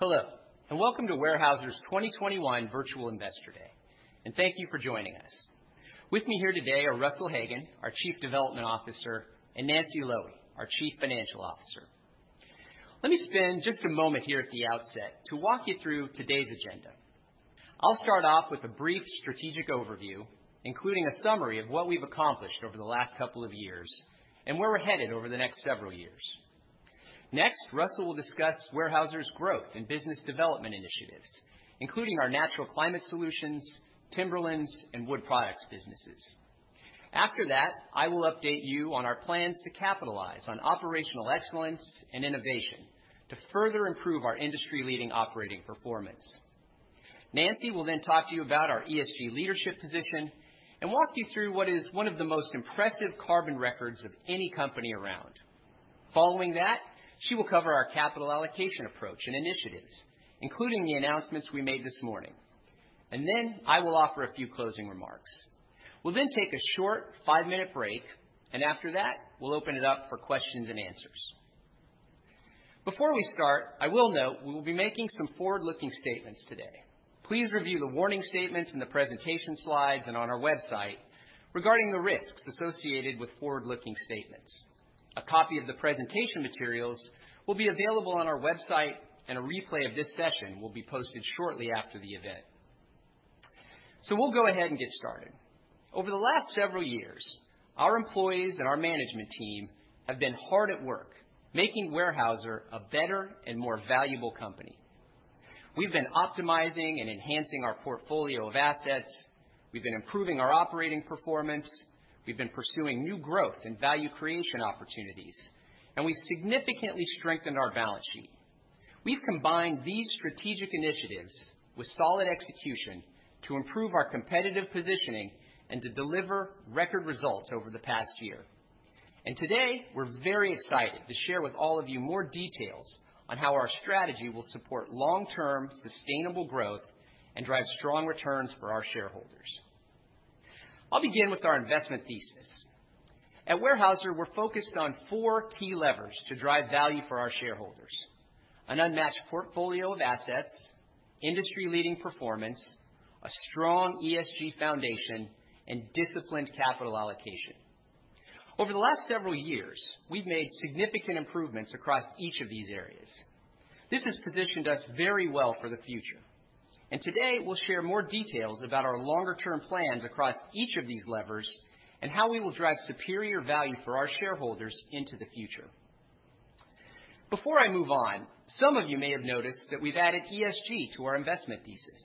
Hello, and welcome to Weyerhaeuser's 2021 Virtual Investor Day. Thank you for joining us. With me here today are Russell Hagen, our Chief Development Officer, and Nancy Loewe, our Chief Financial Officer. Let me spend just a moment here at the outset to walk you through today's agenda. I'll start off with a brief strategic overview, including a summary of what we've accomplished over the last couple of years and where we're headed over the next several years. Next, Russell will discuss Weyerhaeuser's growth and business development initiatives, including our Natural Climate Solutions, Timberlands, and Wood Products businesses. After that, I will update you on our plans to capitalize on operational excellence and innovation to further improve our industry-leading operating performance. Nancy will then talk to you about our ESG leadership position and walk you through what is one of the most impressive carbon records of any company around. Following that, she will cover our capital allocation approach and initiatives, including the announcements we made this morning. Then I will offer a few closing remarks. We'll then take a short five-minute break. After that, we'll open it up for questions and answers. Before we start, I will note we will be making some forward-looking statements today. Please review the warning statements in the presentation slides and on our website regarding the risks associated with forward-looking statements. A copy of the presentation materials will be available on our website. A replay of this session will be posted shortly after the event. We'll go ahead and get started. Over the last several years, our employees and our management team have been hard at work, making Weyerhaeuser a better and more valuable company. We've been optimizing and enhancing our portfolio of assets. We've been improving our operating performance. We've been pursuing new growth and value creation opportunities, and we significantly strengthened our balance sheet. We've combined these strategic initiatives with solid execution to improve our competitive positioning and to deliver record results over the past year. Today, we're very excited to share with all of you more details on how our strategy will support long-term sustainable growth and drive strong returns for our shareholders. I'll begin with our investment thesis. At Weyerhaeuser, we're focused on four key levers to drive value for our shareholders: an unmatched portfolio of assets, industry-leading performance, a strong ESG foundation, and disciplined capital allocation. Over the last several years, we've made significant improvements across each of these areas. This has positioned us very well for the future. Today, we'll share more details about our longer-term plans across each of these levers and how we will drive superior value for our shareholders into the future. Before I move on, some of you may have noticed that we've added ESG to our investment thesis.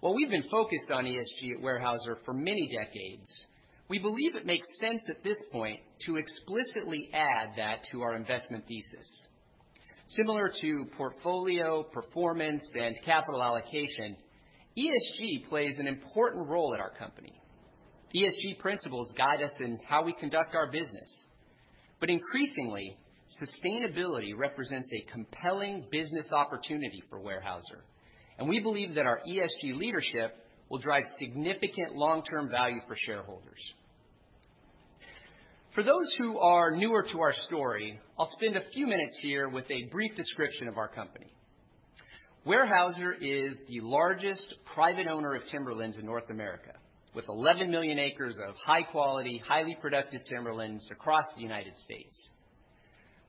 While we've been focused on ESG at Weyerhaeuser for many decades, we believe it makes sense at this point to explicitly add that to our investment thesis. Similar to portfolio, performance, and capital allocation, ESG plays an important role at our company. ESG principles guide us in how we conduct our business, but increasingly, sustainability represents a compelling business opportunity for Weyerhaeuser, and we believe that our ESG leadership will drive significant long-term value for shareholders. For those who are newer to our story, I'll spend a few minutes here with a brief description of our company. Weyerhaeuser is the largest private owner of timberlands in North America, with 11 million acres of high-quality, highly productive timberlands across the United States.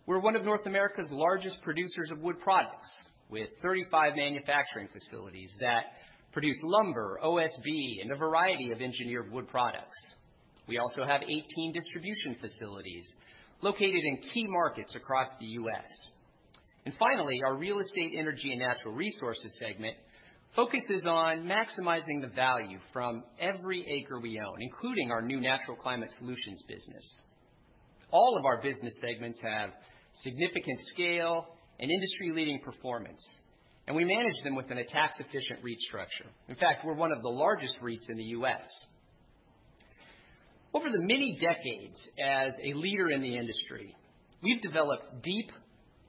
We're one of North America's largest producers of wood products, with 35 manufacturing facilities that produce lumber, OSB, and a variety of Engineered Wood Products. We also have 18 distribution facilities located in key markets across the U.S. Finally, our Real Estate, Energy & Natural Resources segment focuses on maximizing the value from every acre we own, including our new Natural Climate Solutions business. All of our business segments have significant scale and industry-leading performance, and we manage them within a tax-efficient REIT structure. In fact, we're one of the largest REITs in the U.S. Over the many decades as a leader in the industry, we've developed deep,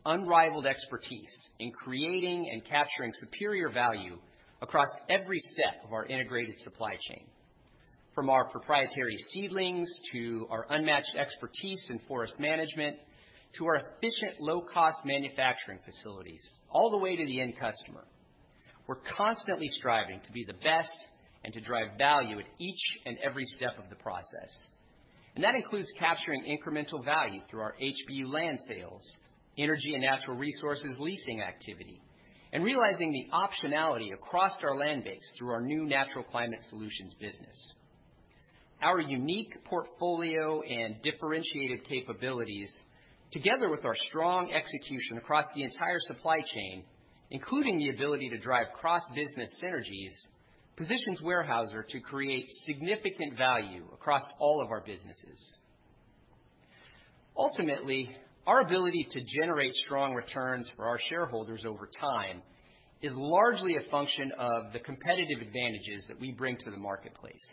unrivaled expertise in creating and capturing superior value across every step of our integrated supply chain. From our proprietary seedlings to our unmatched expertise in forest management to our efficient, low-cost manufacturing facilities, all the way to the end customer. We're constantly striving to be the best and to drive value at each and every step of the process. That includes capturing incremental value through our HBU land sales, energy and natural resources leasing activity, and realizing the optionality across our land base through our new Natural Climate Solutions business. Our unique portfolio and differentiated capabilities, together with our strong execution across the entire supply chain, including the ability to drive cross-business synergies, positions Weyerhaeuser to create significant value across all of our businesses. Ultimately, our ability to generate strong returns for our shareholders over time is largely a function of the competitive advantages that we bring to the marketplace.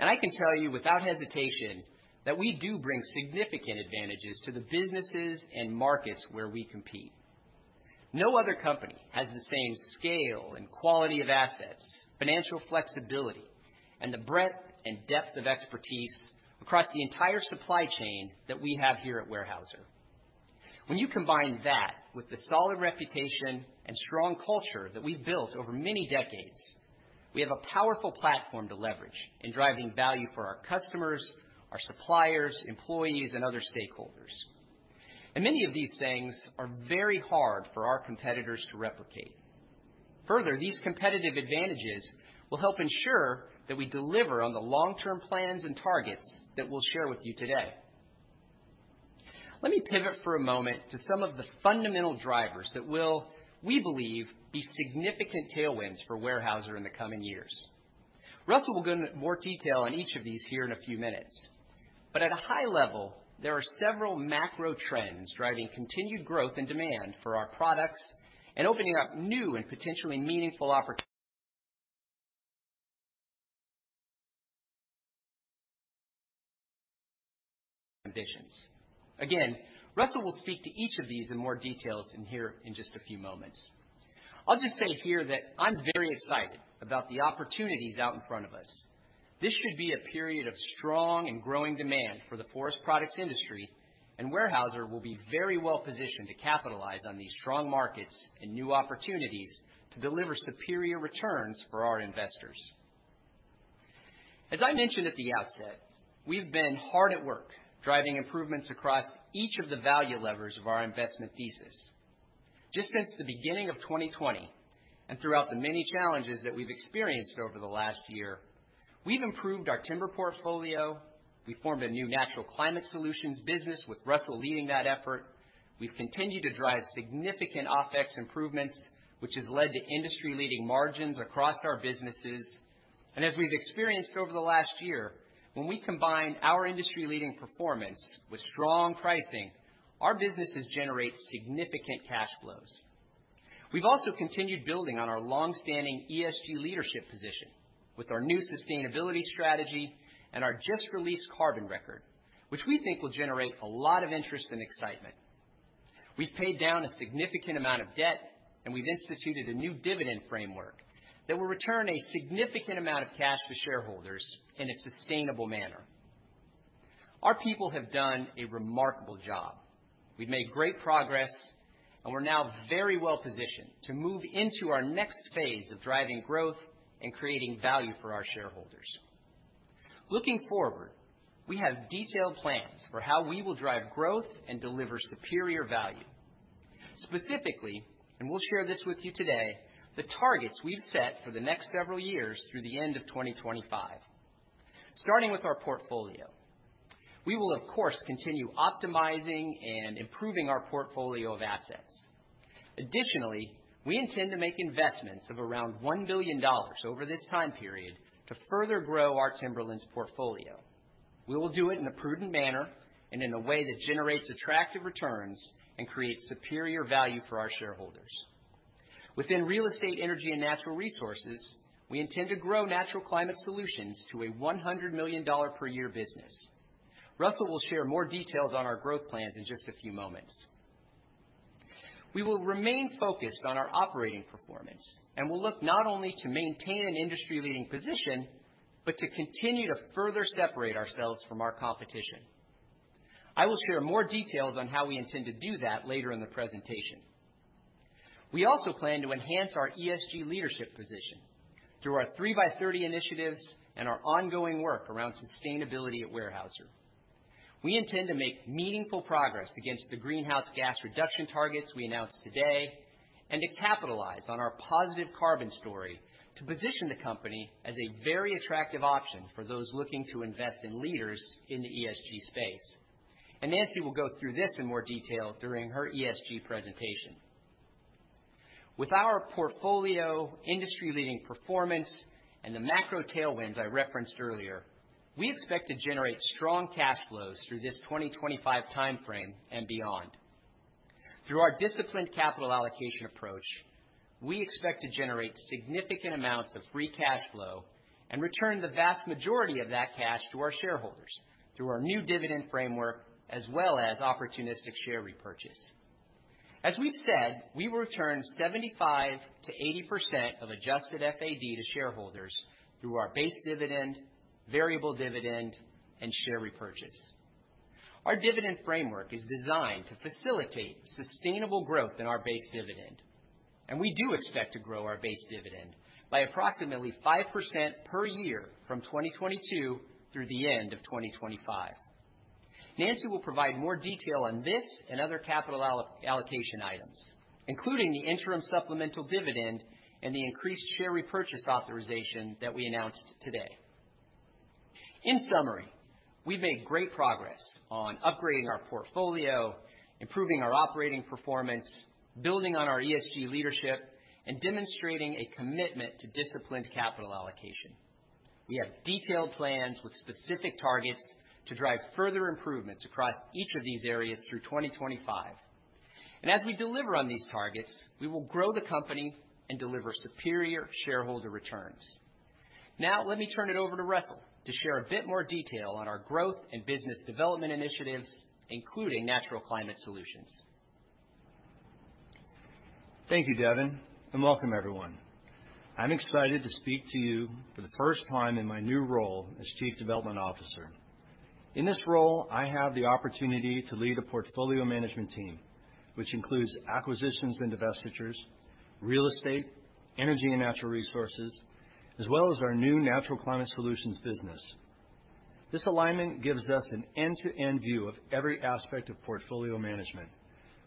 I can tell you without hesitation that we do bring significant advantages to the businesses and markets where we compete. No other company has the same scale and quality of assets, financial flexibility and the breadth and depth of expertise across the entire supply chain that we have here at Weyerhaeuser. When you combine that with the solid reputation and strong culture that we've built over many decades, we have a powerful platform to leverage in driving value for our customers, our suppliers, employees, and other stakeholders. Many of these things are very hard for our competitors to replicate. Further, these competitive advantages will help ensure that we deliver on the long-term plans and targets that we'll share with you today. Let me pivot for a moment to some of the fundamental drivers that will, we believe, be significant tailwinds for Weyerhaeuser in the coming years. Russell will go into more detail on each of these here in a few minutes. At a high level, there are several macro trends driving continued growth and demand for our products and opening up new and potentially meaningful opportunities. Again, Russell will speak to each of these in more details in here in just a few moments. I'll just say here that I'm very excited about the opportunities out in front of us. This should be a period of strong and growing demand for the forest products industry. Weyerhaeuser will be very well-positioned to capitalize on these strong markets and new opportunities to deliver superior returns for our investors. As I mentioned at the outset, we've been hard at work driving improvements across each of the value levers of our investment thesis. Just since the beginning of 2020, and throughout the many challenges that we've experienced over the last year, we've improved our timber portfolio, we formed a new Natural Climate Solutions business with Russell leading that effort. We've continued to drive significant OpEx improvements, which has led to industry-leading margins across our businesses. As we've experienced over the last year, when we combine our industry-leading performance with strong pricing, our businesses generate significant cash flows. We've also continued building on our longstanding ESG leadership position with our new sustainability strategy and our just-released carbon record, which we think will generate a lot of interest and excitement. We've paid down a significant amount of debt, and we've instituted a new dividend framework that will return a significant amount of cash to shareholders in a sustainable manner. Our people have done a remarkable job. We've made great progress, and we're now very well-positioned to move into our next phase of driving growth and creating value for our shareholders. Looking forward, we have detailed plans for how we will drive growth and deliver superior value. Specifically, we'll share this with you today, the targets we've set for the next several years through the end of 2025. Starting with our portfolio. We will, of course, continue optimizing and improving our portfolio of assets. Additionally, we intend to make investments of around $1 billion over this time period to further grow our Timberlands portfolio. We will do it in a prudent manner and in a way that generates attractive returns and creates superior value for our shareholders. Within Real Estate, Energy & Natural Resources, we intend to grow Natural Climate Solutions to a $100 million per year business. Russell will share more details on our growth plans in just a few moments. We will remain focused on our operating performance, and will look not only to maintain an industry-leading position, but to continue to further separate ourselves from our competition. I will share more details on how we intend to do that later in the presentation. We also plan to enhance our ESG leadership position through our 3 by 30 initiatives and our ongoing work around sustainability at Weyerhaeuser. We intend to make meaningful progress against the greenhouse gas reduction targets we announced today, and to capitalize on our positive carbon story to position the company as a very attractive option for those looking to invest in leaders in the ESG space. Nancy will go through this in more detail during her ESG presentation. With our portfolio industry-leading performance and the macro tailwinds I referenced earlier, we expect to generate strong cash flows through this 2025 timeframe and beyond. Through our disciplined capital allocation approach, we expect to generate significant amounts of free cash flow and return the vast majority of that cash to our shareholders through our new dividend framework, as well as opportunistic share repurchase. As we've said, we will return 75%-80% of adjusted FAD to shareholders through our base dividend, variable dividend, and share repurchase. Our dividend framework is designed to facilitate sustainable growth in our base dividend. We do expect to grow our base dividend by approximately 5% per year from 2022 through the end of 2025. Nancy will provide more detail on this and other capital allocation items, including the interim supplemental dividend and the increased share repurchase authorization that we announced today. In summary, we've made great progress on upgrading our portfolio, improving our operating performance, building on our ESG leadership, and demonstrating a commitment to disciplined capital allocation. We have detailed plans with specific targets to drive further improvements across each of these areas through 2025. As we deliver on these targets, we will grow the company and deliver superior shareholder returns. Now, let me turn it over to Russell to share a bit more detail on our growth and business development initiatives, including Natural Climate Solutions. Thank you, Devin, and welcome everyone. I'm excited to speak to you for the first time in my new role as Chief Development Officer. In this role, I have the opportunity to lead a portfolio management team, which includes acquisitions and divestitures, Real Estate, Energy & Natural Resources, as well as our new Natural Climate Solutions business. This alignment gives us an end-to-end view of every aspect of portfolio management,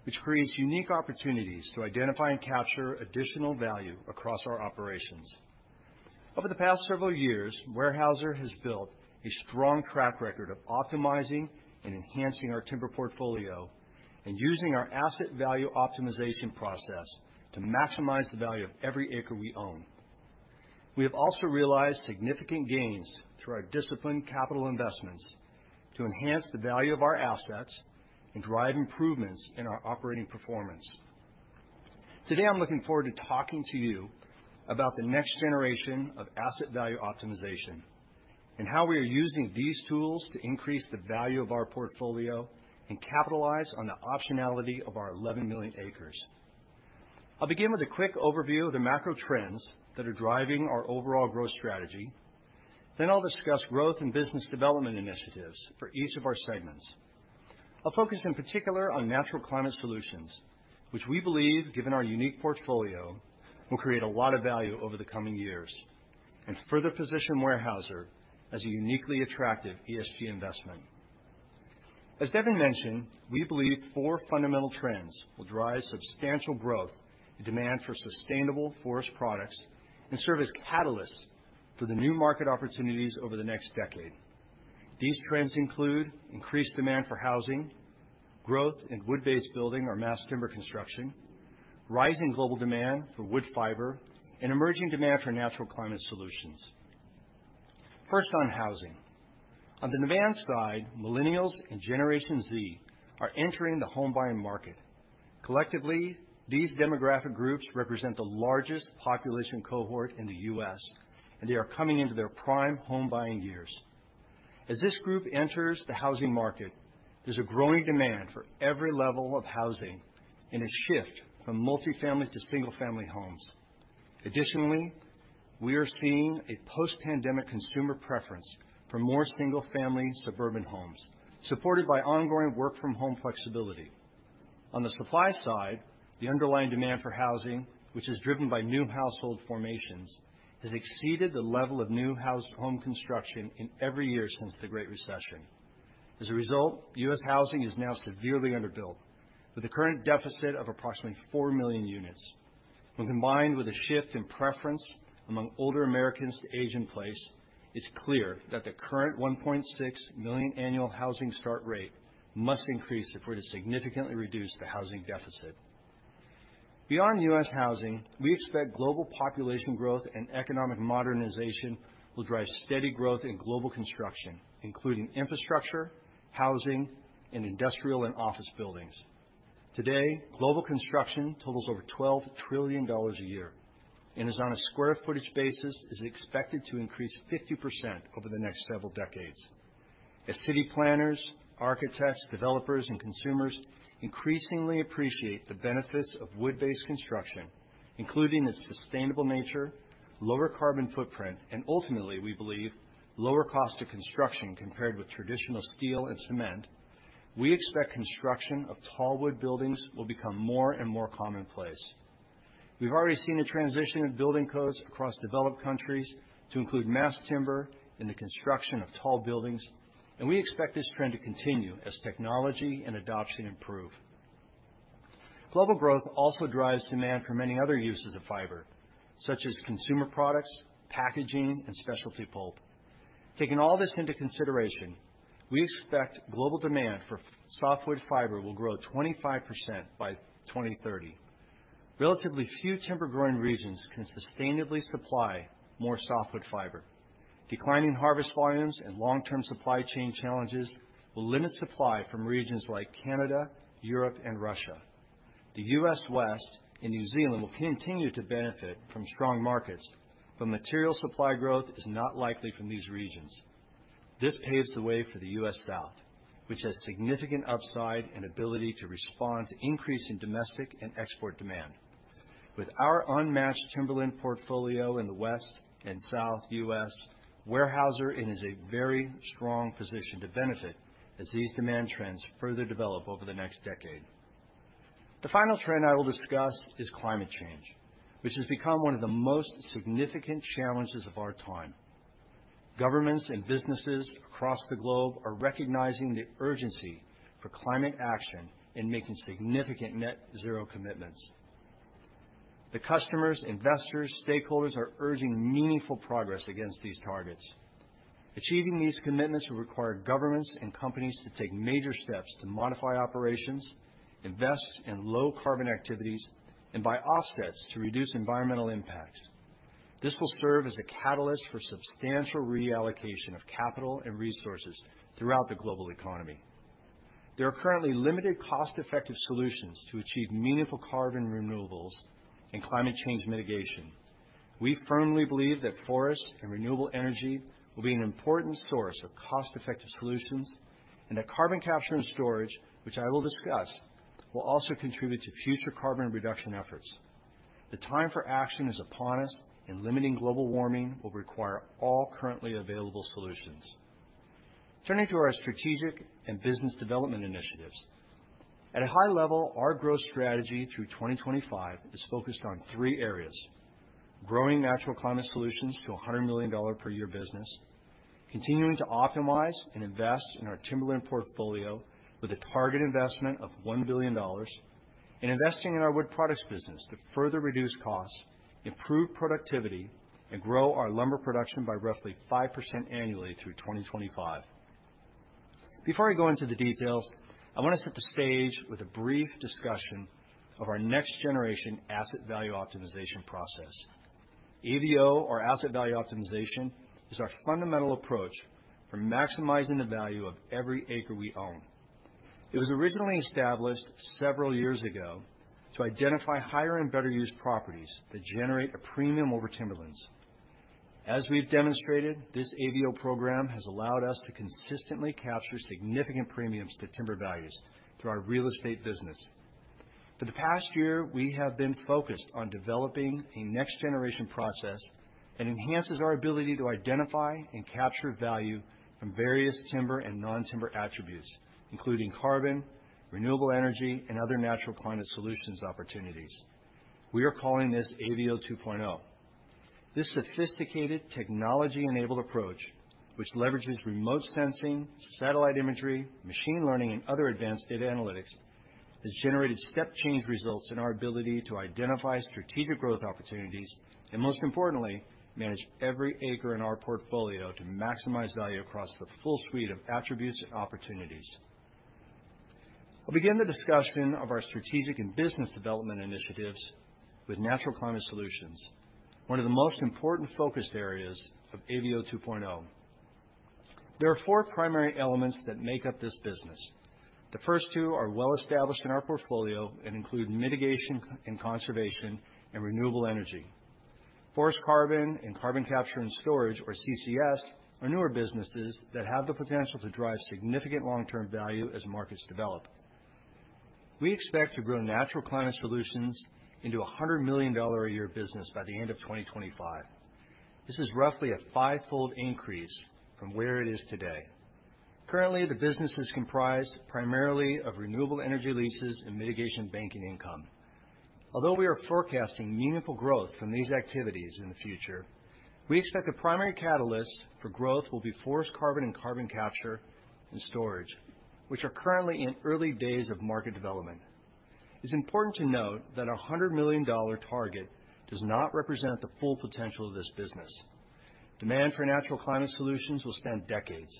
which creates unique opportunities to identify and capture additional value across our operations. Over the past several years, Weyerhaeuser has built a strong track record of optimizing and enhancing our timber portfolio and using our asset value optimization process to maximize the value of every acre we own. We have also realized significant gains through our disciplined capital investments to enhance the value of our assets and drive improvements in our operating performance. Today, I'm looking forward to talking to you about the next generation of asset value optimization and how we are using these tools to increase the value of our portfolio and capitalize on the optionality of our 11 million acres. I'll begin with a quick overview of the macro trends that are driving our overall growth strategy. I'll discuss growth and business development initiatives for each of our segments. I'll focus in particular on Natural Climate Solutions, which we believe, given our unique portfolio, will create a lot of value over the coming years and further position Weyerhaeuser as a uniquely attractive ESG investment. As Devin mentioned, we believe four fundamental trends will drive substantial growth in demand for sustainable forest products and serve as catalysts for the new market opportunities over the next decade. These trends include increased demand for housing, growth in wood-based building or mass timber construction, rising global demand for wood fiber, and emerging demand for Natural Climate Solutions. First, on housing. On the demand side, Millennials and Generation Z are entering the home buying market. Collectively, these demographic groups represent the largest population cohort in the U.S., and they are coming into their prime home buying years. As this group enters the housing market, there's a growing demand for every level of housing and a shift from multi-family to single-family homes. Additionally, we are seeing a post-pandemic consumer preference for more single-family suburban homes, supported by ongoing work-from-home flexibility. On the supply side, the underlying demand for housing, which is driven by new household formations, has exceeded the level of new home construction in every year since the Great Recession. As a result, U.S. housing is now severely underbuilt with a current deficit of approximately four million units. When combined with a shift in preference among older Americans to age in place, it's clear that the current 1.6 million annual housing start rate must increase if we're to significantly reduce the housing deficit. Beyond U.S. housing, we expect global population growth and economic modernization will drive steady growth in global construction, including infrastructure, housing, and industrial and office buildings. Today, global construction totals over $12 trillion a year and is on a square footage basis, is expected to increase 50% over the next several decades. As city planners, architects, developers, and consumers increasingly appreciate the benefits of wood-based construction, including its sustainable nature, lower carbon footprint, and ultimately, we believe, lower cost of construction compared with traditional steel and cement, we expect construction of tall wood buildings will become more and more commonplace. We've already seen a transition in building codes across developed countries to include mass timber in the construction of tall buildings, and we expect this trend to continue as technology and adoption improve. Global growth also drives demand for many other uses of fiber, such as consumer products, packaging, and specialty pulp. Taking all this into consideration, we expect global demand for softwood fiber will grow 25% by 2030. Relatively few timber-growing regions can sustainably supply more softwood fiber. Declining harvest volumes and long-term supply chain challenges will limit supply from regions like Canada, Europe, and Russia. The U.S. West and New Zealand will continue to benefit from strong markets, but material supply growth is not likely from these regions. This paves the way for the U.S. South, which has significant upside and ability to respond to increase in domestic and export demand. With our unmatched timberland portfolio in the West and South U.S., Weyerhaeuser is in a very strong position to benefit as these demand trends further develop over the next decade. The final trend I will discuss is climate change, which has become one of the most significant challenges of our time. Governments and businesses across the globe are recognizing the urgency for climate action and making significant net zero commitments. The customers, investors, stakeholders are urging meaningful progress against these targets. Achieving these commitments will require governments and companies to take major steps to modify operations, invest in low-carbon activities, and buy offsets to reduce environmental impacts. This will serve as a catalyst for substantial reallocation of capital and resources throughout the global economy. There are currently limited cost-effective solutions to achieve meaningful carbon removals and climate change mitigation. We firmly believe that forests and renewable energy will be an important source of cost-effective solutions and that carbon capture and storage, which I will discuss, will also contribute to future carbon reduction efforts. The time for action is upon us, and limiting global warming will require all currently available solutions. Turning to our strategic and business development initiatives. At a high level, our growth strategy through 2025 is focused on three areas: growing Natural Climate Solutions to a $100 million per year business, continuing to optimize and invest in our Timberlands portfolio with a target investment of $1 billion, and investing in our Wood Products business to further reduce costs, improve productivity, and grow our lumber production by roughly 5% annually through 2025. Before I go into the details, I want to set the stage with a brief discussion of our next-generation asset value optimization process. AVO, or asset value optimization, is our fundamental approach for maximizing the value of every acre we own. It was originally established several years ago to identify higher and better use properties that generate a premium over timberlands. As we have demonstrated, this AVO program has allowed us to consistently capture significant premiums to timber values through our real estate business. For the past year, we have been focused on developing a next-generation process that enhances our ability to identify and capture value from various timber and non-timber attributes, including carbon, renewable energy, and other Natural Climate Solutions opportunities. We are calling this AVO 2.0. This sophisticated technology-enabled approach, which leverages remote sensing, satellite imagery, machine learning, and other advanced data analytics, has generated step change results in our ability to identify strategic growth opportunities and, most importantly, manage every acre in our portfolio to maximize value across the full suite of attributes and opportunities. I'll begin the discussion of our strategic and business development initiatives with Natural Climate Solutions, one of the most important focus areas of AVO 2.0. There are four primary elements that make up this business. The first two are well-established in our portfolio and include mitigation and conservation and renewable energy. Forest carbon and Carbon Capture and Storage, or CCS, are newer businesses that have the potential to drive significant long-term value as markets develop. We expect to grow Natural Climate Solutions into a $100 million a year business by the end of 2025. This is roughly a fivefold increase from where it is today. Currently, the business is comprised primarily of renewable energy leases and mitigation banking income. Although we are forecasting meaningful growth from these activities in the future, we expect the primary catalyst for growth will be forest carbon and Carbon Capture and Storage, which are currently in early days of market development. It's important to note that our $100 million target does not represent the full potential of this business. Demand for Natural Climate Solutions will span decades,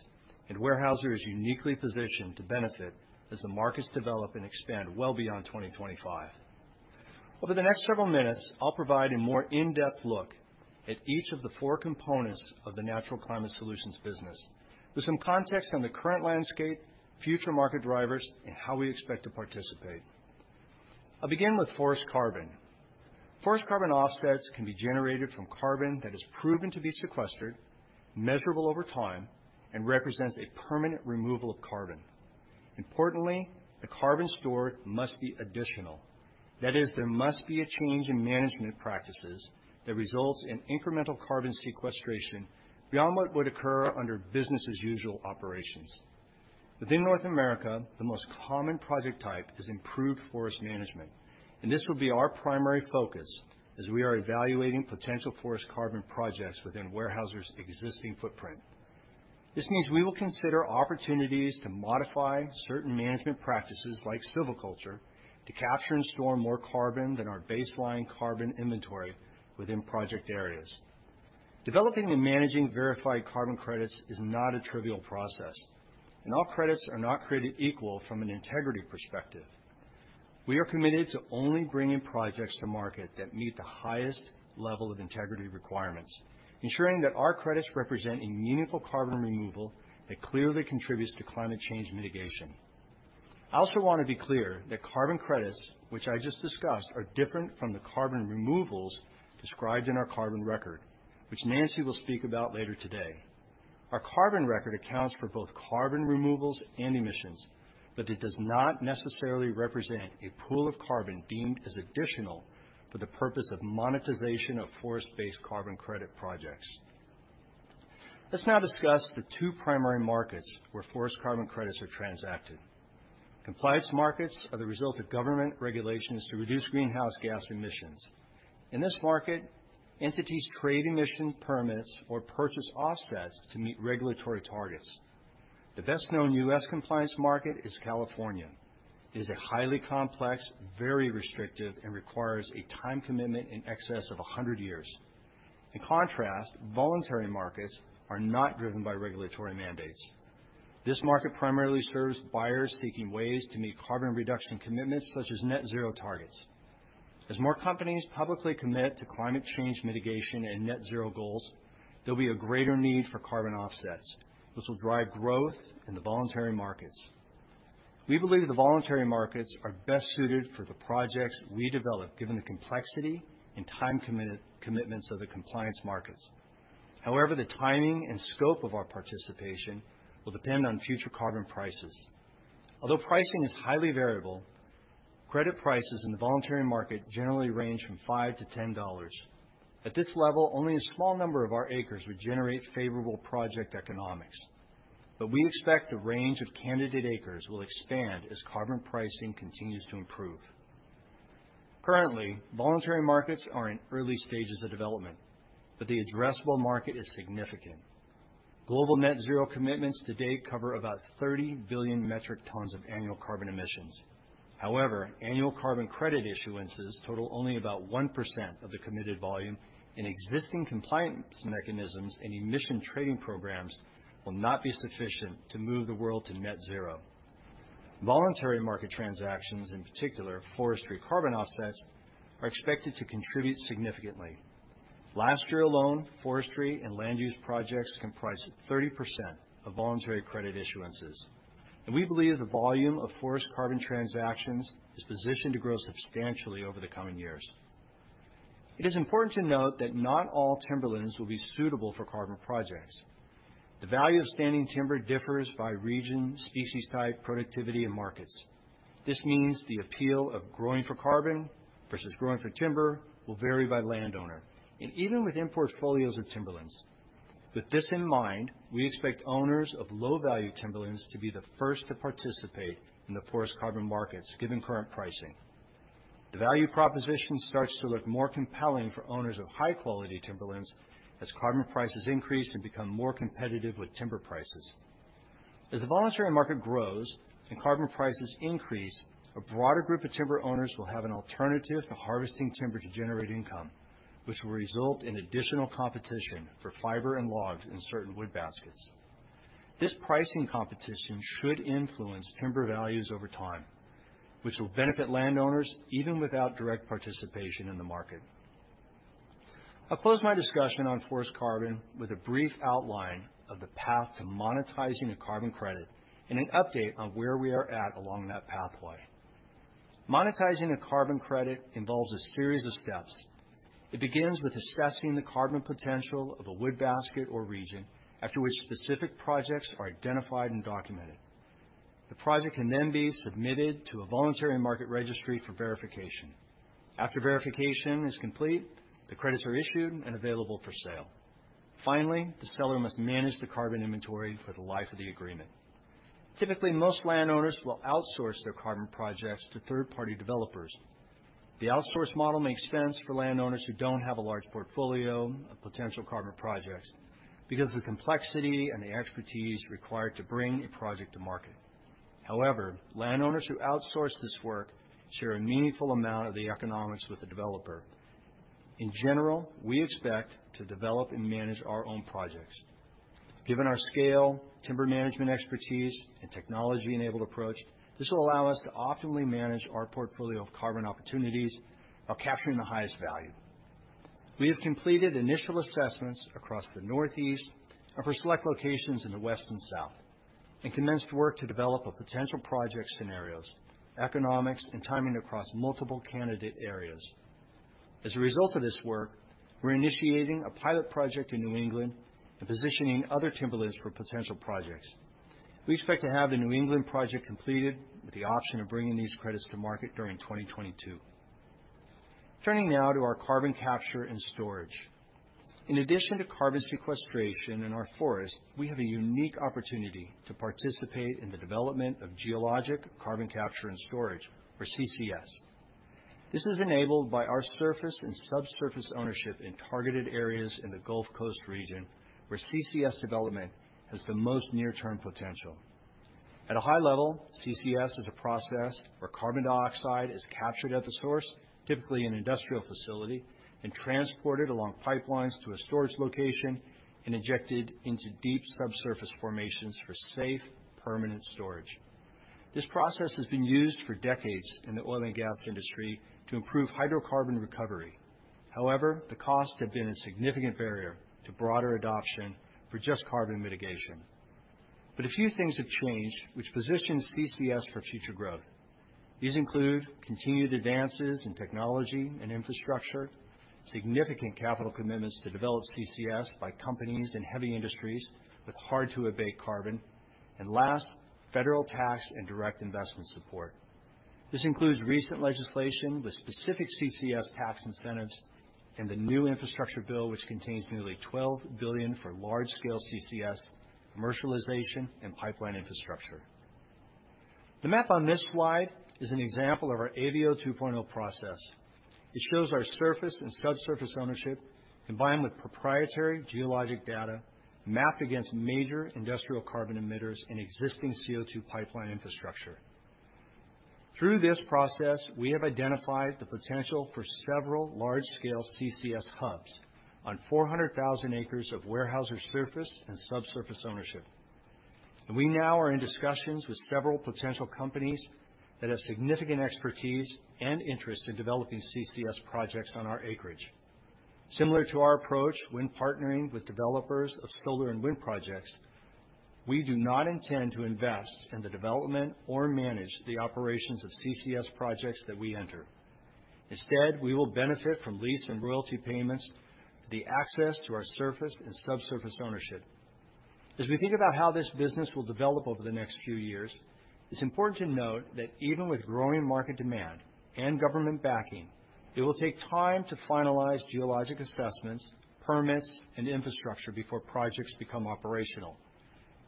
and Weyerhaeuser is uniquely positioned to benefit as the markets develop and expand well beyond 2025. Over the next several minutes, I'll provide a more in-depth look at each of the four components of the Natural Climate Solutions business with some context on the current landscape, future market drivers, and how we expect to participate. I'll begin with forest carbon. Forest carbon offsets can be generated from carbon that is proven to be sequestered, measurable over time, and represents a permanent removal of carbon. Importantly, the carbon stored must be additional. That is, there must be a change in management practices that results in incremental carbon sequestration beyond what would occur under business-as-usual operations. Within North America, the most common project type is improved forest management. This will be our primary focus as we are evaluating potential forest carbon projects within Weyerhaeuser's existing footprint. This means we will consider opportunities to modify certain management practices like silviculture to capture and store more carbon than our baseline carbon inventory within project areas. Developing and managing verified carbon credits is not a trivial process, and all credits are not created equal from an integrity perspective. We are committed to only bringing projects to market that meet the highest level of integrity requirements, ensuring that our credits represent a meaningful carbon removal that clearly contributes to climate change mitigation. I also want to be clear that carbon credits, which I just discussed, are different from the carbon removals described in our carbon record, which Nancy will speak about later today. Our carbon record accounts for both carbon removals and emissions, but it does not necessarily represent a pool of carbon deemed as additional for the purpose of monetization of forest-based carbon credit projects. Let's now discuss the two primary markets where forest carbon credits are transacted. Compliance markets are the result of government regulations to reduce greenhouse gas emissions. In this market, entities trade emission permits or purchase offsets to meet regulatory targets. The best-known U.S. compliance market is California. It is a highly complex, very restrictive, and requires a time commitment in excess of 100 years. In contrast, voluntary markets are not driven by regulatory mandates. This market primarily serves buyers seeking ways to meet carbon reduction commitments such as net zero targets. As more companies publicly commit to climate change mitigation and net zero goals, there'll be a greater need for carbon offsets, which will drive growth in the voluntary markets. We believe the voluntary markets are best suited for the projects we develop, given the complexity and time commitments of the compliance markets. However, the timing and scope of our participation will depend on future carbon prices. Although pricing is highly variable, credit prices in the voluntary market generally range from $5-$10. At this level, only a small number of our acres would generate favorable project economics. We expect the range of candidate acres will expand as carbon pricing continues to improve. Currently, voluntary markets are in early stages of development, but the addressable market is significant. Global net zero commitments today cover about 30 billion metric tons of annual carbon emissions. However, annual carbon credit issuances total only about 1% of the committed volume, and existing compliance mechanisms and emission trading programs will not be sufficient to move the world to net zero. Voluntary market transactions, in particular forestry carbon offsets, are expected to contribute significantly. Last year alone, forestry and land use projects comprised 30% of voluntary credit issuances, and we believe the volume of forest carbon transactions is positioned to grow substantially over the coming years. It is important to note that not all timberlands will be suitable for carbon projects. The value of standing timber differs by region, species type, productivity, and markets. This means the appeal of growing for carbon versus growing for timber will vary by landowner, and even within portfolios of timberlands. With this in mind, we expect owners of low-value timberlands to be the first to participate in the forest carbon markets, given current pricing. The value proposition starts to look more compelling for owners of high-quality timberlands as carbon prices increase and become more competitive with timber prices. As the voluntary market grows and carbon prices increase, a broader group of timber owners will have an alternative to harvesting timber to generate income, which will result in additional competition for fiber and logs in certain wood baskets. This pricing competition should influence timber values over time, which will benefit landowners even without direct participation in the market. I'll close my discussion on forest carbon with a brief outline of the path to monetizing a carbon credit and an update on where we are at along that pathway. Monetizing a carbon credit involves a series of steps. It begins with assessing the carbon potential of a wood basket or region, after which specific projects are identified and documented. The project can then be submitted to a voluntary market registry for verification. After verification is complete, the credits are issued and available for sale. Finally, the seller must manage the carbon inventory for the life of the agreement. Typically, most landowners will outsource their carbon projects to third-party developers. The outsource model makes sense for landowners who don't have a large portfolio of potential carbon projects because of the complexity and the expertise required to bring a project to market. Landowners who outsource this work share a meaningful amount of the economics with the developer. We expect to develop and manage our own projects. Given our scale, timber management expertise, and technology-enabled approach, this will allow us to optimally manage our portfolio of carbon opportunities while capturing the highest value. We have completed initial assessments across the Northeast and for select locations in the West and South, and commenced work to develop potential project scenarios, economics, and timing across multiple candidate areas. As a result of this work, we're initiating a pilot project in New England and positioning other timberlands for potential projects. We expect to have the New England project completed with the option of bringing these credits to market during 2022. Turning now to our carbon capture and storage. In addition to carbon sequestration in our forests, we have a unique opportunity to participate in the development of geologic carbon capture and storage, or CCS. This is enabled by our surface and subsurface ownership in targeted areas in the Gulf Coast region, where CCS development has the most near-term potential. At a high level, CCS is a process where carbon dioxide is captured at the source, typically an industrial facility, and transported along pipelines to a storage location and injected into deep subsurface formations for safe, permanent storage. This process has been used for decades in the oil and gas industry to improve hydrocarbon recovery. The costs have been a significant barrier to broader adoption for just carbon mitigation. A few things have changed which positions CCS for future growth. These include continued advances in technology and infrastructure, significant capital commitments to develop CCS by companies and heavy industries with hard-to-abate carbon, and last, federal tax and direct investment support. This includes recent legislation with specific CCS tax incentives and the new infrastructure bill, which contains nearly $12 billion for large-scale CCS commercialization and pipeline infrastructure. The map on this slide is an example of our AVO 2.0 process. It shows our surface and subsurface ownership combined with proprietary geologic data mapped against major industrial carbon emitters and existing CO2 pipeline infrastructure. Through this process, we have identified the potential for several large-scale CCS hubs on 400,000 acres of Weyerhaeuser surface and subsurface ownership. We now are in discussions with several potential companies that have significant expertise and interest in developing CCS projects on our acreage. Similar to our approach when partnering with developers of solar and wind projects, we do not intend to invest in the development or manage the operations of CCS projects that we enter. Instead, we will benefit from lease and royalty payments, the access to our surface and subsurface ownership. As we think about how this business will develop over the next few years, it is important to note that even with growing market demand and government backing, it will take time to finalize geologic assessments, permits, and infrastructure before projects become operational.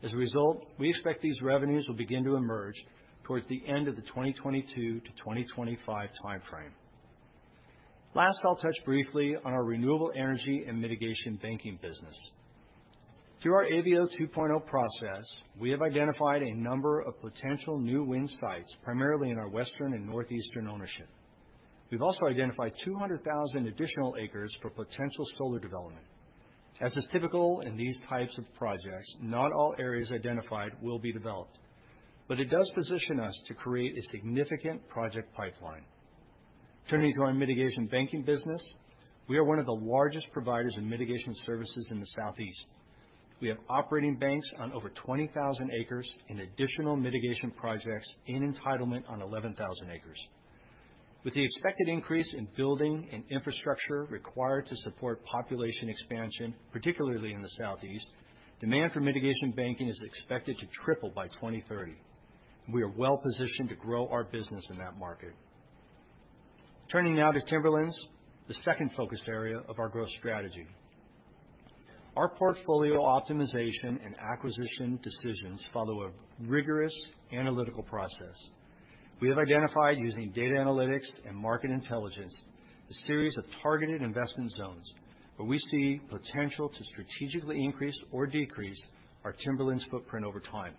As a result, we expect these revenues will begin to emerge towards the end of the 2022 to 2025 timeframe. Last, I'll touch briefly on our renewable energy and mitigation banking business. Through our AVO 2.0 process, we have identified a number of potential new wind sites, primarily in our Western and Northeastern ownership. We've also identified 200,000 additional acres for potential solar development. As is typical in these types of projects, not all areas identified will be developed. It does position us to create a significant project pipeline. Turning to our mitigation banking business, we are one of the largest providers of mitigation services in the Southeast. We have operating banks on over 20,000 acres and additional mitigation projects and entitlement on 11,000 acres. With the expected increase in building and infrastructure required to support population expansion, particularly in the Southeast, demand for mitigation banking is expected to triple by 2030. We are well-positioned to grow our business in that market. Turning now to Timberlands, the second focus area of our growth strategy. Our portfolio optimization and acquisition decisions follow a rigorous analytical process. We have identified using data analytics and market intelligence, a series of targeted investment zones where we see potential to strategically increase or decrease our Timberlands footprint over time.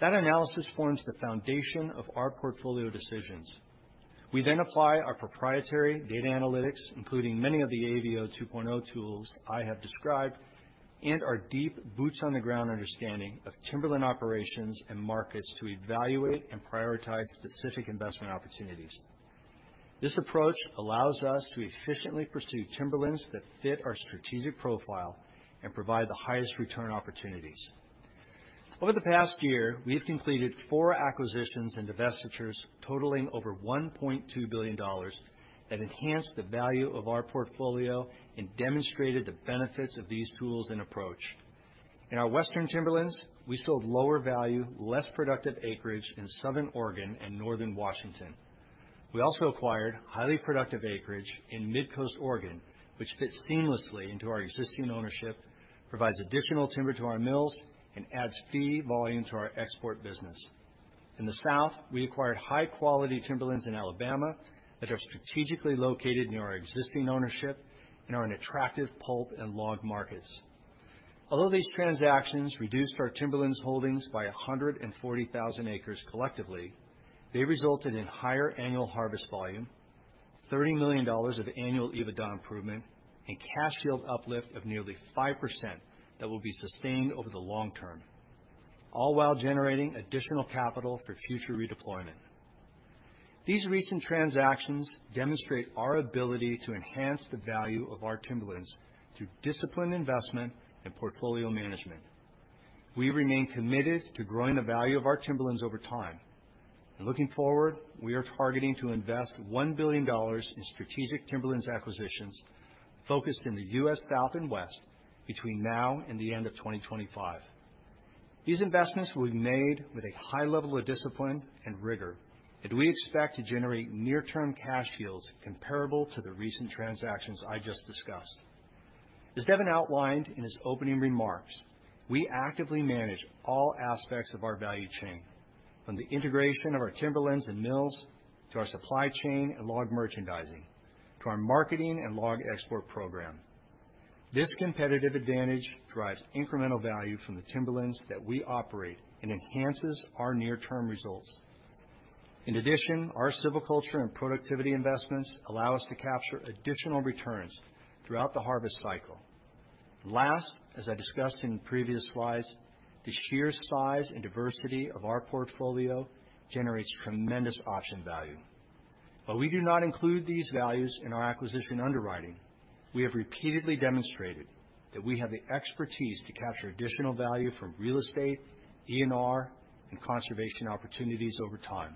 That analysis forms the foundation of our portfolio decisions. We then apply our proprietary data analytics, including many of the AVO 2.0 tools I have described, and our deep boots-on-the-ground understanding of timberland operations and markets to evaluate and prioritize specific investment opportunities. This approach allows us to efficiently pursue Timberlands that fit our strategic profile and provide the highest return opportunities. Over the past year, we have completed four acquisitions and divestitures totaling over $1.2 billion that enhanced the value of our portfolio and demonstrated the benefits of these tools and approach. In our Western Timberlands, we sold lower value, less productive acreage in Southern Oregon and Northern Washington. We also acquired highly productive acreage in Midcoast Oregon, which fits seamlessly into our existing ownership, provides additional timber to our mills, and adds fee volume to our export business. In the South, we acquired high-quality Timberlands in Alabama that are strategically located near our existing ownership and are in attractive pulp and log markets. Although these transactions reduced our Timberlands holdings by 140,000 acres collectively, they resulted in higher annual harvest volume, $30 million of annual EBITDA improvement, and cash yield uplift of nearly 5% that will be sustained over the long term, all while generating additional capital for future redeployment. These recent transactions demonstrate our ability to enhance the value of our Timberlands through disciplined investment and portfolio management. We remain committed to growing the value of our Timberlands over time. Looking forward, we are targeting to invest $1 billion in strategic Timberlands acquisitions focused in the U.S. South and West between now and the end of 2025. These investments will be made with a high level of discipline and rigor, and we expect to generate near-term cash yields comparable to the recent transactions I just discussed. As Devin outlined in his opening remarks, we actively manage all aspects of our value chain, from the integration of our Timberlands and mills to our supply chain and log merchandising, to our marketing and log export program. This competitive advantage drives incremental value from the Timberlands that we operate and enhances our near-term results. Our silviculture and productivity investments allow us to capture additional returns throughout the harvest cycle. As I discussed in previous slides, the sheer size and diversity of our portfolio generates tremendous option value. While we do not include these values in our acquisition underwriting, we have repeatedly demonstrated that we have the expertise to capture additional value from Real Estate, ENR, and conservation opportunities over time.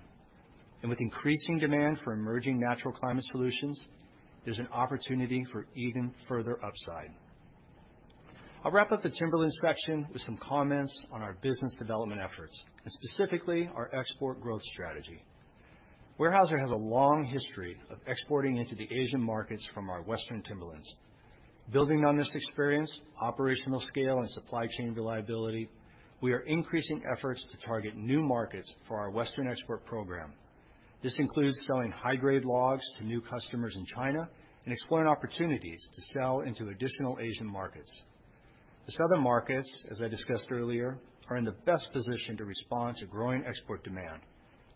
With increasing demand for emerging Natural Climate Solutions, there's an opportunity for even further upside. I'll wrap up the timberland section with some comments on our business development efforts, and specifically our export growth strategy. Weyerhaeuser has a long history of exporting into the Asian markets from our Western timberlands. Building on this experience, operational scale, and supply chain reliability, we are increasing efforts to target new markets for our Western export program. This includes selling high-grade logs to new customers in China and exploring opportunities to sell into additional Asian markets. The Southern markets, as I discussed earlier, are in the best position to respond to growing export demand,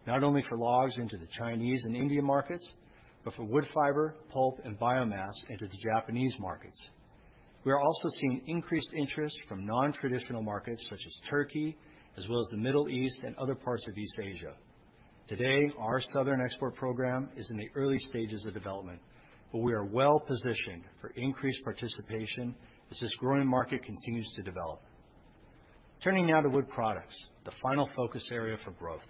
not only for logs into the Chinese and Indian markets, but for wood fiber, pulp, and biomass into the Japanese markets. We are also seeing increased interest from non-traditional markets such as Turkey, as well as the Middle East and other parts of East Asia. Today, our southern export program is in the early stages of development. We are well-positioned for increased participation as this growing market continues to develop. Turning now to Wood Products, the final focus area for growth.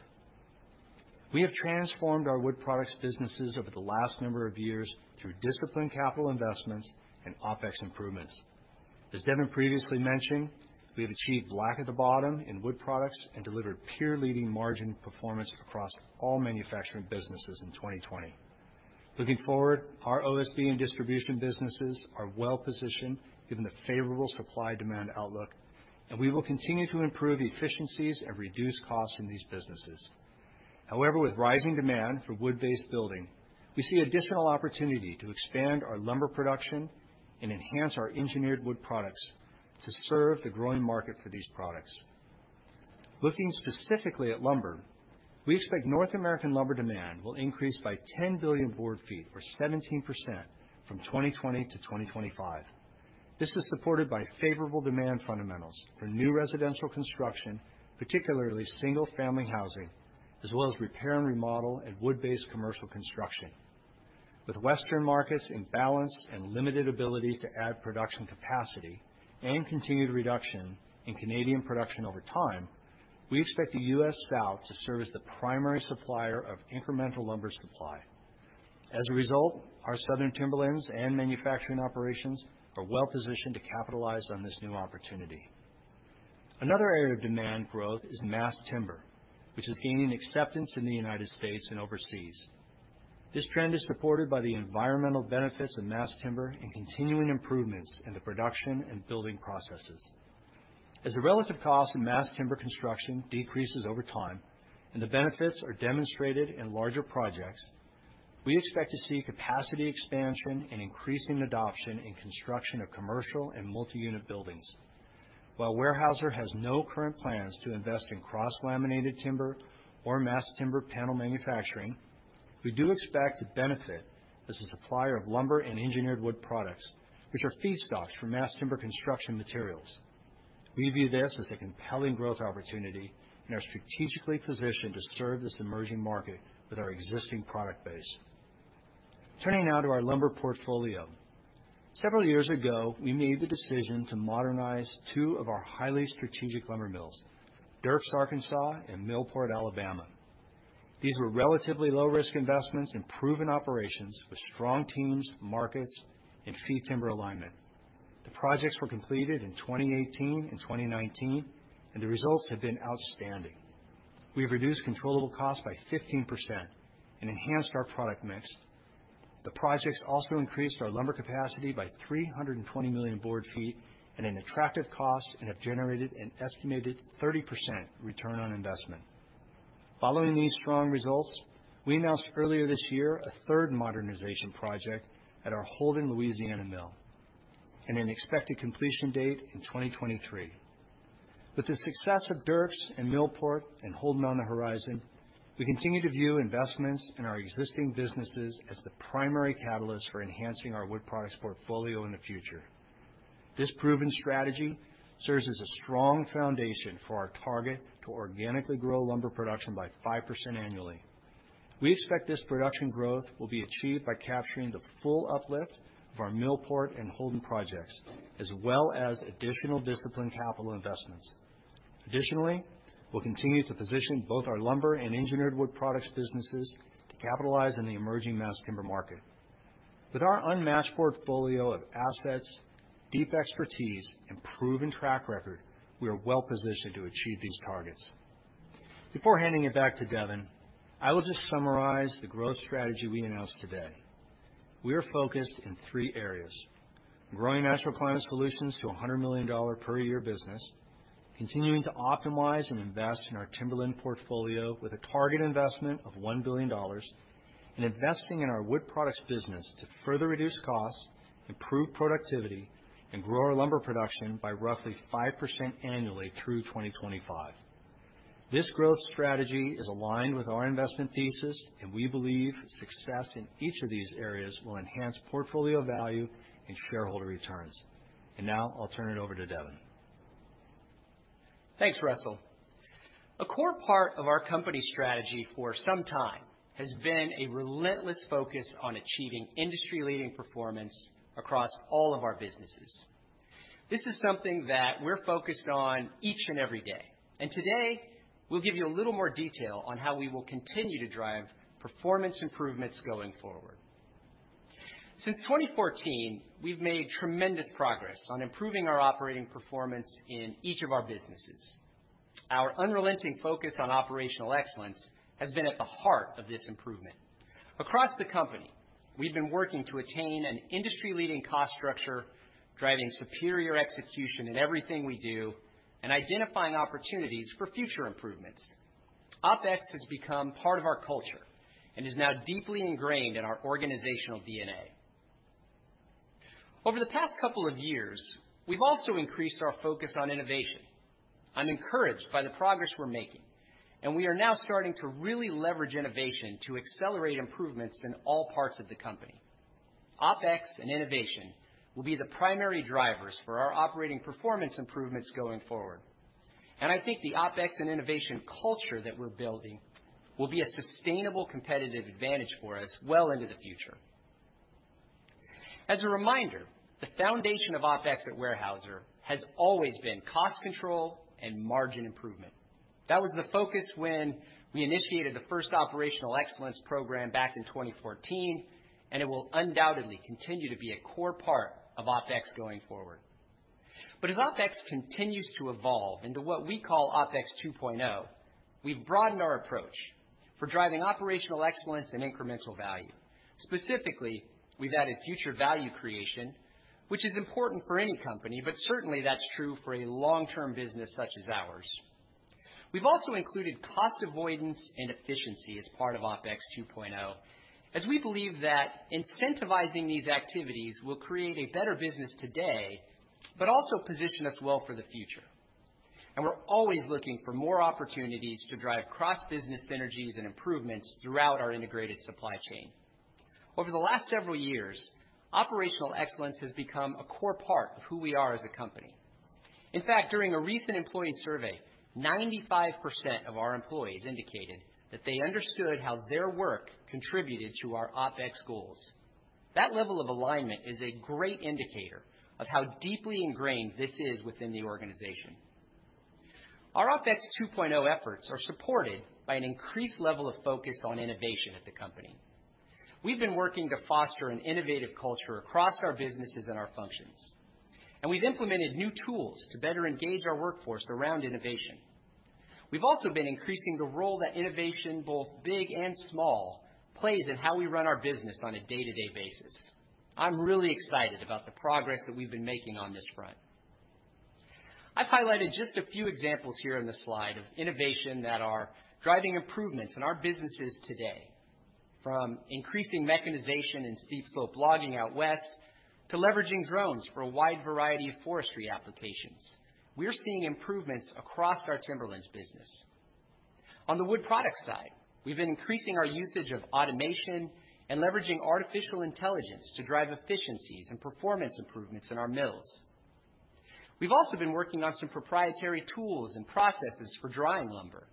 We have transformed our Wood Products businesses over the last number of years through disciplined capital investments and OpEx improvements. As Devin previously mentioned, we have achieved black at the bottom in Wood Products and delivered peer-leading margin performance across all manufacturing businesses in 2020. Looking forward, our OSB and distribution businesses are well-positioned given the favorable supply-demand outlook. We will continue to improve efficiencies and reduce costs in these businesses. With rising demand for wood-based building, we see additional opportunity to expand our lumber production and enhance our Engineered Wood Products to serve the growing market for these products. Looking specifically at lumber, we expect North American lumber demand will increase by 10 billion board feet or 17% from 2020 to 2025. This is supported by favorable demand fundamentals for new residential construction, particularly single-family housing, as well as repair and remodel and wood-based commercial construction. With Western markets imbalanced and limited ability to add production capacity and continued reduction in Canadian production over time, we expect the U.S. South to serve as the primary supplier of incremental lumber supply. As a result, our southern Timberlands and manufacturing operations are well-positioned to capitalize on this new opportunity. Another area of demand growth is mass timber, which is gaining acceptance in the U.S. and overseas. This trend is supported by the environmental benefits of mass timber and continuing improvements in the production and building processes. As the relative cost in mass timber construction decreases over time and the benefits are demonstrated in larger projects, we expect to see capacity expansion and increasing adoption in construction of commercial and multi-unit buildings. While Weyerhaeuser has no current plans to invest in cross-laminated timber or mass timber panel manufacturing, we do expect to benefit as a supplier of lumber and Engineered Wood Products, which are feedstocks for mass timber construction materials. We view this as a compelling growth opportunity and are strategically positioned to serve this emerging market with our existing product base. Turning now to our lumber portfolio. Several years ago, we made the decision to modernize two of our highly strategic lumber mills, Dierks, Arkansas, and Millport, Alabama. These were relatively low-risk investments in proven operations with strong teams, markets, and fee timber alignment. The projects were completed in 2018 and 2019, and the results have been outstanding. We've reduced controllable costs by 15% and enhanced our product mix. The projects also increased our lumber capacity by 320 million board feet at an attractive cost and have generated an estimated 30% return on investment. Following these strong results, we announced earlier this year a third modernization project at our Holden, Louisiana mill, and an expected completion date in 2023. With the success of Dierks and Millport, and Holden on the horizon, we continue to view investments in our existing businesses as the primary catalyst for enhancing our Wood Products portfolio in the future. This proven strategy serves as a strong foundation for our target to organically grow lumber production by 5% annually. We expect this production growth will be achieved by capturing the full uplift of our Millport and Holden projects, as well as additional disciplined capital investments. We'll continue to position both our lumber and Engineered Wood Products businesses to capitalize on the emerging mass timber market. With our unmatched portfolio of assets, deep expertise, and proven track record, we are well-positioned to achieve these targets. Before handing it back to Devin, I will just summarize the growth strategy we announced today. We are focused in three areas, growing Natural Climate Solutions to a $100 million per year business, continuing to optimize and invest in our timberland portfolio with a target investment of $1 billion, and investing in our Wood Products business to further reduce costs, improve productivity, and grow our lumber production by roughly 5% annually through 2025. This growth strategy is aligned with our investment thesis, and we believe success in each of these areas will enhance portfolio value and shareholder returns. Now I'll turn it over to Devin. Thanks, Russell. A core part of our company strategy for some time has been a relentless focus on achieving industry-leading performance across all of our businesses. This is something that we're focused on each and every day. Today, we'll give you a little more detail on how we will continue to drive performance improvements going forward. Since 2014, we've made tremendous progress on improving our operating performance in each of our businesses. Our unrelenting focus on operational excellence has been at the heart of this improvement. Across the company, we've been working to attain an industry-leading cost structure, driving superior execution in everything we do, and identifying opportunities for future improvements. OpEx has become part of our culture and is now deeply ingrained in our organizational DNA. Over the past couple of years, we've also increased our focus on innovation. I'm encouraged by the progress we're making, and we are now starting to really leverage innovation to accelerate improvements in all parts of the company. OpEx and innovation will be the primary drivers for our operating performance improvements going forward. I think the OpEx and innovation culture that we're building will be a sustainable competitive advantage for us well into the future. As a reminder, the foundation of OpEx at Weyerhaeuser has always been cost control and margin improvement. That was the focus when we initiated the first operational excellence program back in 2014, and it will undoubtedly continue to be a core part of OpEx going forward. As OpEx continues to evolve into what we call OpEx 2.0, we've broadened our approach for driving operational excellence and incremental value. Specifically, we've added future value creation, which is important for any company, but certainly that's true for a long-term business such as ours. We've also included cost avoidance and efficiency as part of OpEx 2.0, as we believe that incentivizing these activities will create a better business today, but also position us well for the future. We're always looking for more opportunities to drive cross-business synergies and improvements throughout our integrated supply chain. Over the last several years, operational excellence has become a core part of who we are as a company. In fact, during a recent employee survey, 95% of our employees indicated that they understood how their work contributed to our OpEx goals. That level of alignment is a great indicator of how deeply ingrained this is within the organization. Our OpEx 2.0 efforts are supported by an increased level of focus on innovation at the company. We've been working to foster an innovative culture across our businesses and our functions. We've implemented new tools to better engage our workforce around innovation. We've also been increasing the role that innovation, both big and small, plays in how we run our business on a day-to-day basis. I'm really excited about the progress that we've been making on this front. I've highlighted just a few examples here in the slide of innovation that are driving improvements in our businesses today. From increasing mechanization in steep-slope logging out West to leveraging drones for a wide variety of forestry applications, we are seeing improvements across our Timberlands business. On the Wood Products side, we've been increasing our usage of automation and leveraging artificial intelligence to drive efficiencies and performance improvements in our mills. We've also been working on some proprietary tools and processes for drying lumber,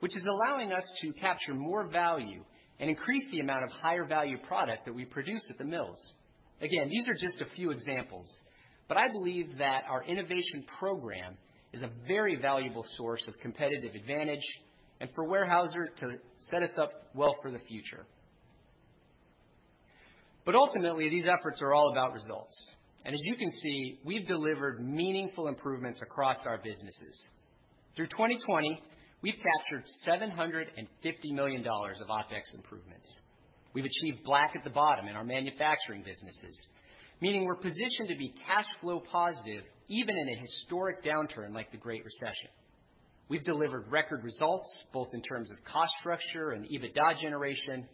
which is allowing us to capture more value and increase the amount of higher-value product that we produce at the mills. These are just a few examples, but I believe that our innovation program is a very valuable source of competitive advantage and for Weyerhaeuser to set us up well for the future. Ultimately, these efforts are all about results. As you can see, we've delivered meaningful improvements across our businesses. Through 2020, we've captured $750 million of OpEx improvements. We've achieved black at the bottom in our manufacturing businesses, meaning we're positioned to be cash flow positive even in a historic downturn like the Great Recession. We've delivered record results both in terms of cost structure and EBITDA generation.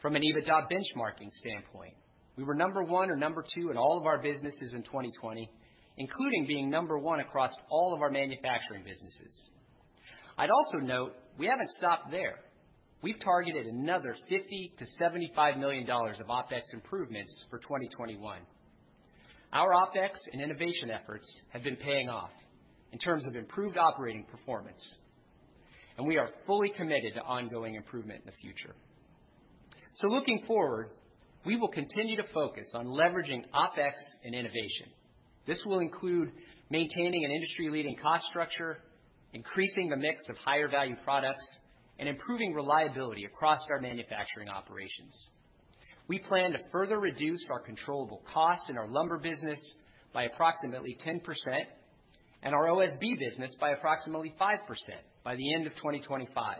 From an EBITDA benchmarking standpoint, we were number one and number two in all of our businesses in 2020, including being number one across all of our manufacturing businesses. I'd also note we haven't stopped there. We've targeted another $50 million-$75 million of OpEx improvements for 2021. Our OpEx and innovation efforts have been paying off in terms of improved operating performance, and we are fully committed to ongoing improvement in the future. Looking forward, we will continue to focus on leveraging OpEx and innovation. This will include maintaining an industry-leading cost structure, increasing the mix of higher-value products, and improving reliability across our manufacturing operations. We plan to further reduce our controllable costs in our lumber business by approximately 10% and our OSB business by approximately 5% by the end of 2025.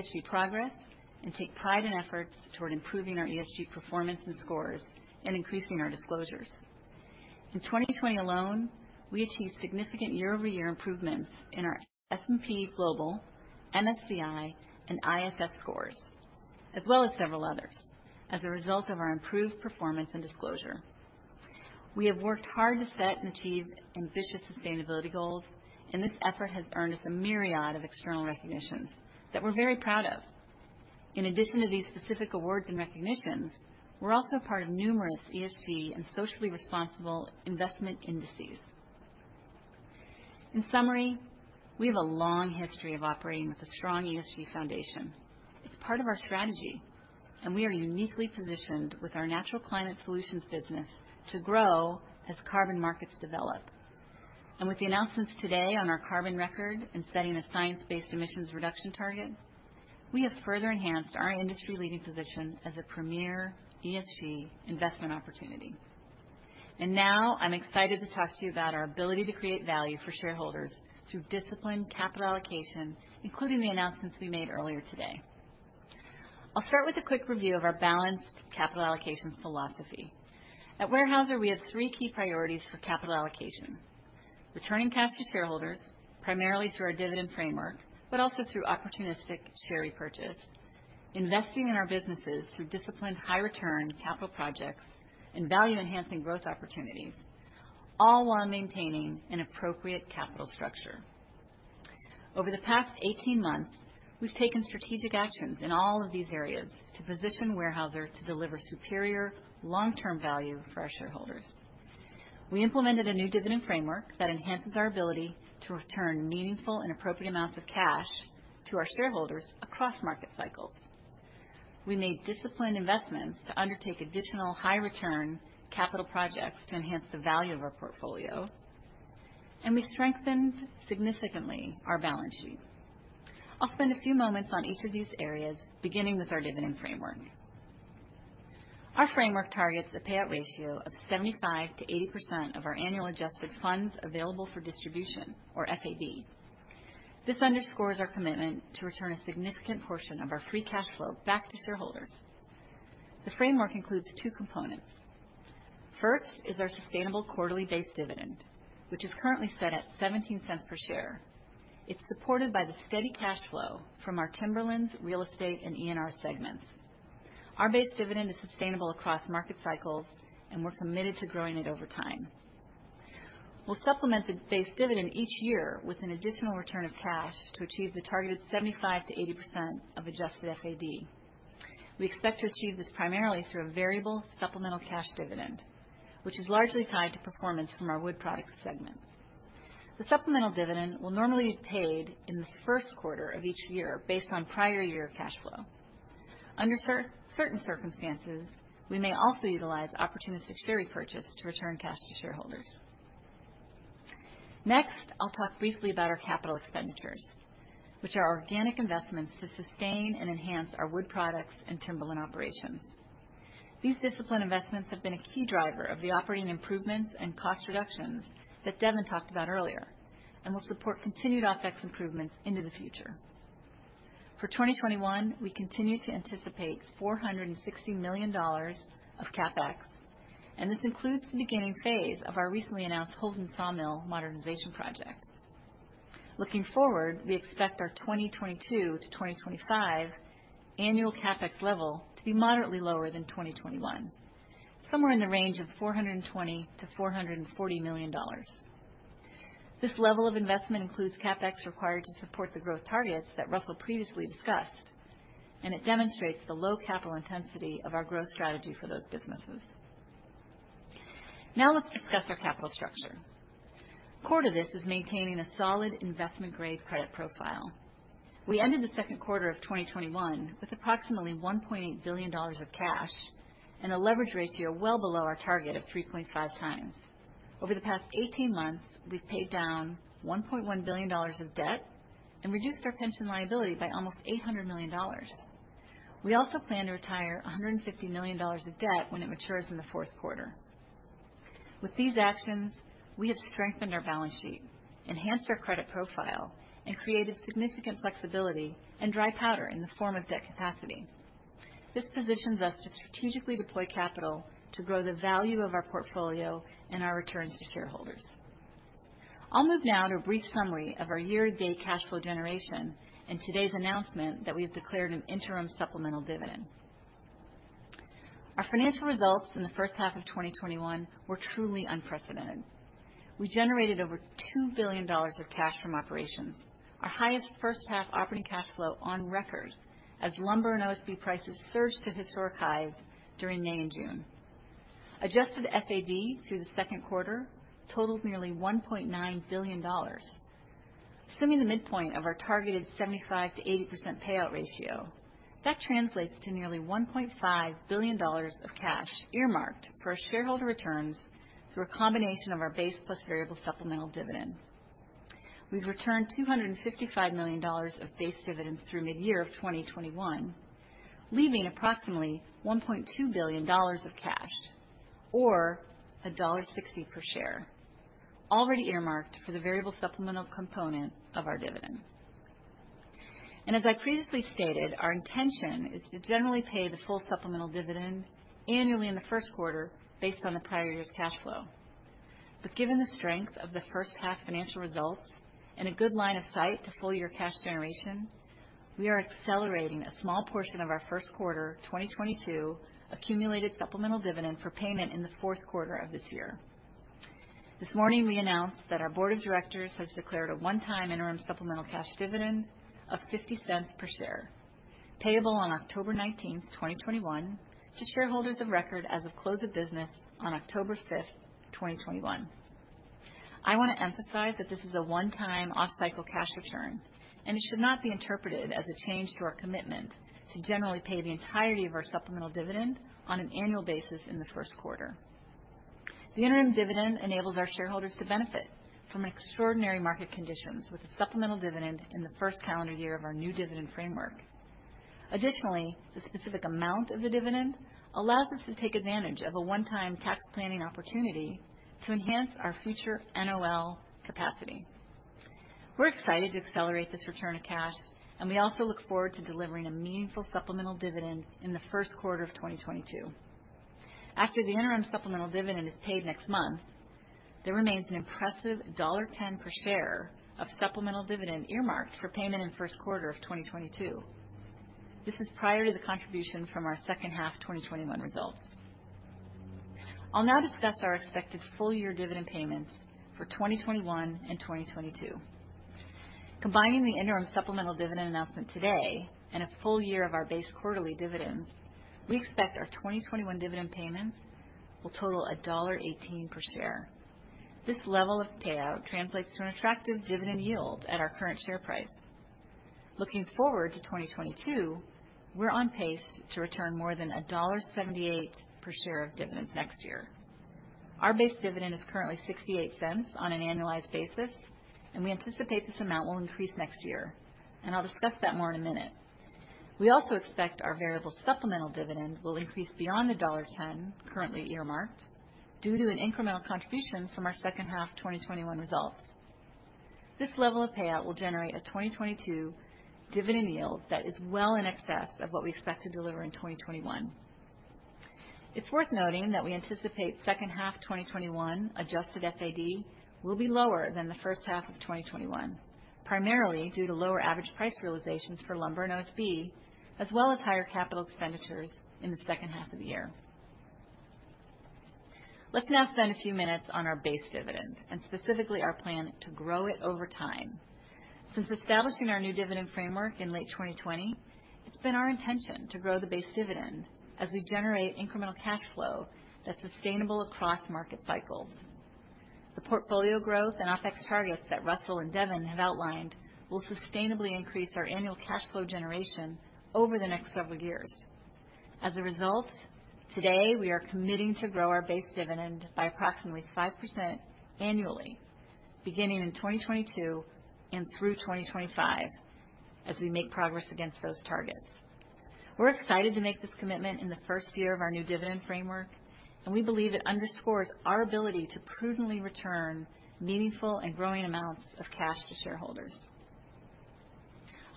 ESG progress and take pride in efforts toward improving our ESG performance and scores and increasing our disclosures. In 2020 alone, we achieved significant year-over-year improvements in our S&P Global, MSCI, and ISS scores, as well as several others as a result of our improved performance and disclosure. We have worked hard to set and achieve ambitious sustainability goals, and this effort has earned us a myriad of external recognitions that we're very proud of. In addition to these specific awards and recognitions, we're also part of numerous ESG and socially responsible investment indices. In summary, we have a long history of operating with a strong ESG foundation. It's part of our strategy, and we are uniquely positioned with our Natural Climate Solutions business to grow as carbon markets develop. With the announcements today on our carbon record and setting a Science-Based Emissions Reduction Target, we have further enhanced our industry-leading position as a premier ESG investment opportunity. Now I'm excited to talk to you about our ability to create value for shareholders through disciplined capital allocation, including the announcements we made earlier today. I'll start with a quick review of our balanced capital allocation philosophy. At Weyerhaeuser, we have three key priorities for capital allocation. Returning cash to shareholders, primarily through our dividend framework, but also through opportunistic share repurchase. Investing in our businesses through disciplined high return capital projects and value-enhancing growth opportunities, all while maintaining an appropriate capital structure. Over the past 18 months, we've taken strategic actions in all of these areas to position Weyerhaeuser to deliver superior long-term value for our shareholders. We implemented a new dividend framework that enhances our ability to return meaningful and appropriate amounts of cash to our shareholders across market cycles. We made disciplined investments to undertake additional high return capital projects to enhance the value of our portfolio, and we strengthened significantly our balance sheet. I'll spend a few moments on each of these areas, beginning with our dividend framework. Our framework targets a payout ratio of 75%-80% of our annual adjusted funds available for distribution, or FAD. This underscores our commitment to return a significant portion of our free cash flow back to shareholders. The framework includes two components. First is our sustainable quarterly base dividend, which is currently set at $0.17 per share. It's supported by the steady cash flow from our Timberlands, Real Estate, and ENR segments. Our base dividend is sustainable across market cycles, and we're committed to growing it over time. We'll supplement the base dividend each year with an additional return of cash to achieve the targeted 75%-80% of adjusted FAD. We expect to achieve this primarily through a variable supplemental cash dividend, which is largely tied to performance from our Wood Products segment. The supplemental dividend will normally be paid in the first quarter of each year based on prior year cash flow. Under certain circumstances, we may also utilize opportunistic share repurchase to return cash to shareholders. Next, I'll talk briefly about our capital expenditures, which are organic investments to sustain and enhance our Wood Products and Timberlands operations. These disciplined investments have been a key driver of the operating improvements and cost reductions that Devin talked about earlier and will support continued OpEx improvements into the future. For 2021, we continue to anticipate $460 million of CapEx, and this includes the beginning phase of our recently announced Holden sawmill modernization project. Looking forward, we expect our 2022 to 2025 annual CapEx level to be moderately lower than 2021, somewhere in the range of $420 million-$440 million. This level of investment includes CapEx required to support the growth targets that Russell previously discussed, and it demonstrates the low capital intensity of our growth strategy for those businesses. Now let's discuss our capital structure. Core to this is maintaining a solid investment-grade credit profile. We ended the second quarter of 2021 with approximately $1.8 billion of cash and a leverage ratio well below our target of 3.5 times. Over the past 18 months, we've paid down $1.1 billion of debt and reduced our pension liability by almost $800 million. We also plan to retire $150 million of debt when it matures in the fourth quarter. With these actions, we have strengthened our balance sheet, enhanced our credit profile, and created significant flexibility and dry powder in the form of debt capacity. This positions us to strategically deploy capital to grow the value of our portfolio and our returns to shareholders. I'll move now to a brief summary of our year-to-date cash flow generation and today's announcement that we have declared an interim supplemental dividend. Our financial results in the first half of 2021 were truly unprecedented. We generated over $2 billion of cash from operations, our highest first-half operating cash flow on record, as lumber and OSB prices surged to historic highs during May and June. Adjusted FAD through the second quarter totaled nearly $1.9 billion. Assuming the midpoint of our targeted 75%-80% payout ratio, that translates to nearly $1.5 billion of cash earmarked for our shareholder returns through a combination of our base plus variable supplemental dividend. We've returned $255 million of base dividends through mid-year of 2021, leaving approximately $1.2 billion of cash, or $1.60 per share, already earmarked for the variable supplemental component of our dividend. As I previously stated, our intention is to generally pay the full supplemental dividend annually in the first quarter based on the prior year's cash flow. Given the strength of the first-half financial results and a good line of sight to full-year cash generation, we are accelerating a small portion of our first quarter 2022 accumulated supplemental dividend for payment in the fourth quarter of this year. This morning, we announced that our board of directors has declared a one-time interim supplemental cash dividend of $0.50 per share, payable on October 19th, 2021, to shareholders of record as of close of business on October 5th, 2021. I want to emphasize that this is a one-time off-cycle cash return. It should not be interpreted as a change to our commitment to generally pay the entirety of our supplemental dividend on an annual basis in the first quarter. The interim dividend enables our shareholders to benefit from extraordinary market conditions with a supplemental dividend in the first calendar year of our new dividend framework. Additionally, the specific amount of the dividend allows us to take advantage of a one-time tax planning opportunity to enhance our future NOL capacity. We're excited to accelerate this return of cash, and we also look forward to delivering a meaningful supplemental dividend in the first quarter of 2022. After the interim supplemental dividend is paid next month, there remains an impressive $1.10 per share of supplemental dividend earmarked for payment in the first quarter of 2022. This is prior to the contribution from our second-half 2021 results. I'll now discuss our expected full-year dividend payments for 2021 and 2022. Combining the interim supplemental dividend announcement today and a full year of our base quarterly dividends, we expect our 2021 dividend payments will total $1.18 per share. This level of payout translates to an attractive dividend yield at our current share price. Looking forward to 2022, we're on pace to return more than $1.78 per share of dividends next year. Our base dividend is currently $0.68 on an annualized basis, and we anticipate this amount will increase next year. I'll discuss that more in a minute. We also expect our variable supplemental dividend will increase beyond the $1.10 currently earmarked due to an incremental contribution from our second-half 2021 results. This level of payout will generate a 2022 dividend yield that is well in excess of what we expect to deliver in 2021. It's worth noting that we anticipate second-half 2021 adjusted FAD will be lower than the first half of 2021, primarily due to lower average price realizations for lumber and OSB, as well as higher capital expenditures in the second half of the year. Let's now spend a few minutes on our base dividend, specifically our plan to grow it over time. Since establishing our new dividend framework in late 2020, it's been our intention to grow the base dividend as we generate incremental cash flow that's sustainable across market cycles. The portfolio growth and OpEx targets that Russell and Devin have outlined will sustainably increase our annual cash flow generation over the next several years. Today we are committing to grow our base dividend by approximately 5% annually, beginning in 2022 and through 2025 as we make progress against those targets. We're excited to make this commitment in the first year of our new dividend framework, and we believe it underscores our ability to prudently return meaningful and growing amounts of cash to shareholders.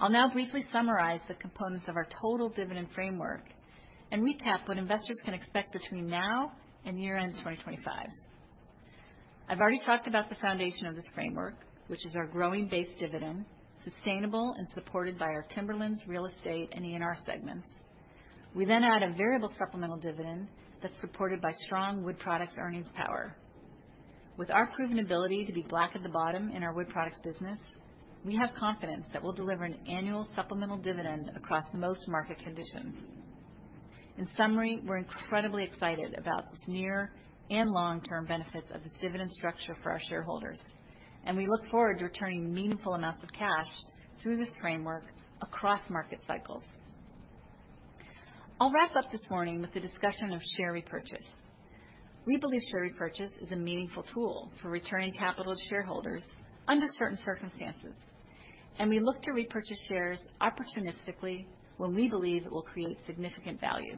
I'll now briefly summarize the components of our total dividend framework and recap what investors can expect between now and year-end 2025. I've already talked about the foundation of this framework, which is our growing base dividend, sustainable and supported by our Timberlands, Real Estate, and ENR segments. We add a variable supplemental dividend that's supported by strong Wood Products earnings power. With our proven ability to be black at the bottom in our Wood Products business, we have confidence that we'll deliver an annual supplemental dividend across most market conditions. In summary, we're incredibly excited about the near and long-term benefits of this dividend structure for our shareholders, and we look forward to returning meaningful amounts of cash through this framework across market cycles. I'll wrap up this morning with the discussion of share repurchase. We believe share repurchase is a meaningful tool for returning capital to shareholders under certain circumstances, and we look to repurchase shares opportunistically when we believe it will create significant value.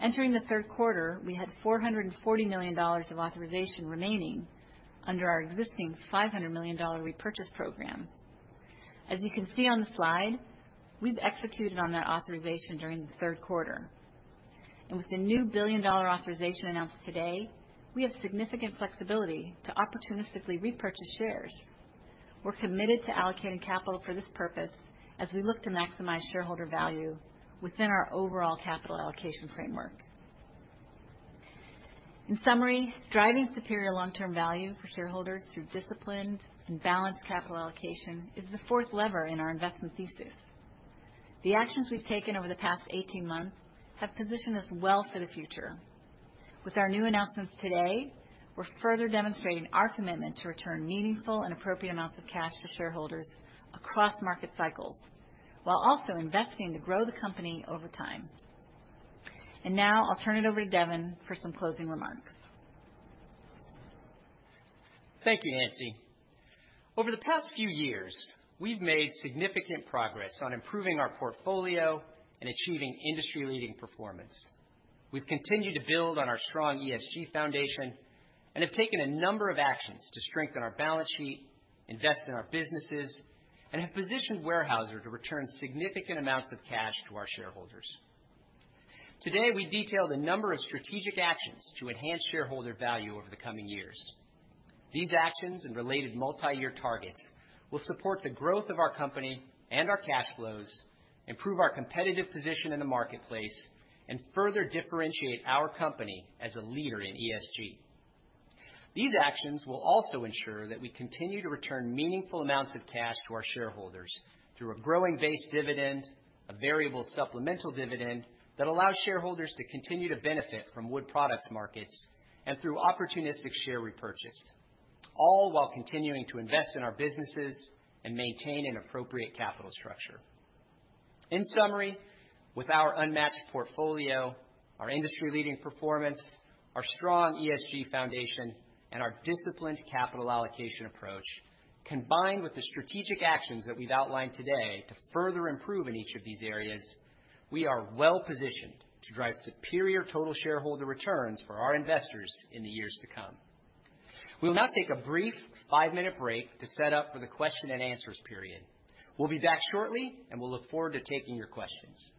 Entering the third quarter, we had $440 million of authorization remaining under our existing $500 million repurchase program. As you can see on the slide, we've executed on that authorization during the third quarter. With the new billion-dollar authorization announced today, we have significant flexibility to opportunistically repurchase shares. We're committed to allocating capital for this purpose as we look to maximize shareholder value within our overall capital allocation framework. In summary, driving superior long-term value for shareholders through disciplined and balanced capital allocation is the fourth lever in our investment thesis. The actions we've taken over the past 18 months have positioned us well for the future. With our new announcements today, we're further demonstrating our commitment to return meaningful and appropriate amounts of cash to shareholders across market cycles, while also investing to grow the company over time. Now I'll turn it over to Devin for some closing remarks. Thank you, Nancy. Over the past few years, we've made significant progress on improving our portfolio and achieving industry-leading performance. We've continued to build on our strong ESG foundation and have taken a number of actions to strengthen our balance sheet, invest in our businesses, and have positioned Weyerhaeuser to return significant amounts of cash to our shareholders. Today, we detailed a number of strategic actions to enhance shareholder value over the coming years. These actions and related multi-year targets will support the growth of our company and our cash flows, improve our competitive position in the marketplace, and further differentiate our company as a leader in ESG. These actions will also ensure that we continue to return meaningful amounts of cash to our shareholders through a growing base dividend, a variable supplemental dividend that allows shareholders to continue to benefit from Wood Products markets, and through opportunistic share repurchase, all while continuing to invest in our businesses and maintain an appropriate capital structure. In summary, with our unmatched portfolio, our industry-leading performance, our strong ESG foundation, and our disciplined capital allocation approach, combined with the strategic actions that we've outlined today to further improve in each of these areas, we are well positioned to drive superior total shareholder returns for our investors in the years to come. We will now take a brief 5-minute break to set up for the question and answers period. We'll be back shortly, and we'll look forward to taking your questions.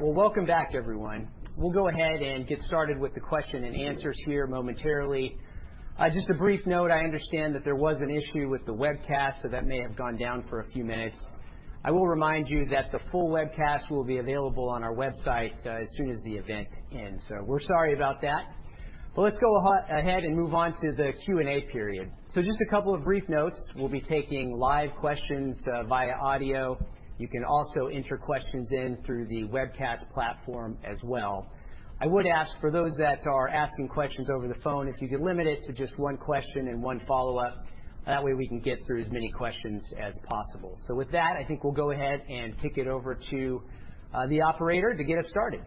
Welcome back, everyone. We'll go ahead and get started with the question and answers here momentarily. Just a brief note, I understand that there was an issue with the webcast, that may have gone down for a few minutes. I will remind you that the full webcast will be available on our website as soon as the event ends. We're sorry about that. Let's go ahead and move on to the Q&A period. Just a couple of brief notes. We'll be taking live questions via audio. You can also enter questions in through the webcast platform as well. I would ask for those that are asking questions over the phone, if you could limit it to just one question and one follow-up, that way we can get through as many questions as possible. With that, I think we'll go ahead and kick it over to the operator to get us started.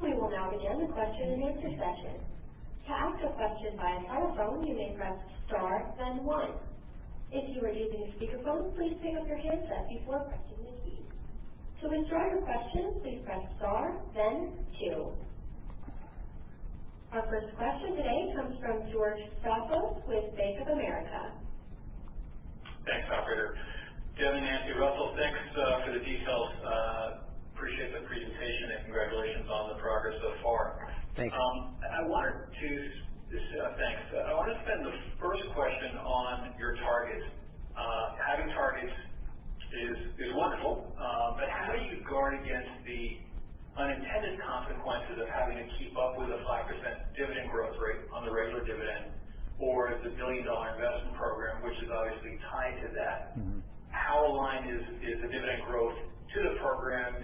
We will now begin the question and answer sessions. To ask your question by telephone, you may press star then one. If you are using a speaker phone, please take out your handset before pressing the key. To withdraw your question, please press star then two. Our first question today comes from George Staphos with Bank of America. Thanks, operator. Jim and Nancy, Russell, thanks for the details. Appreciate the presentation and congratulations on the progress so far. Thanks. I want to spend the first question on your target. Having targets is wonderful. Yeah How do you guard against the unintended consequences of having to keep up with a 5% dividend growth rate on the regular dividend, or the billion-dollar investment program, which is obviously tied to that? How aligned is the dividend growth to the program?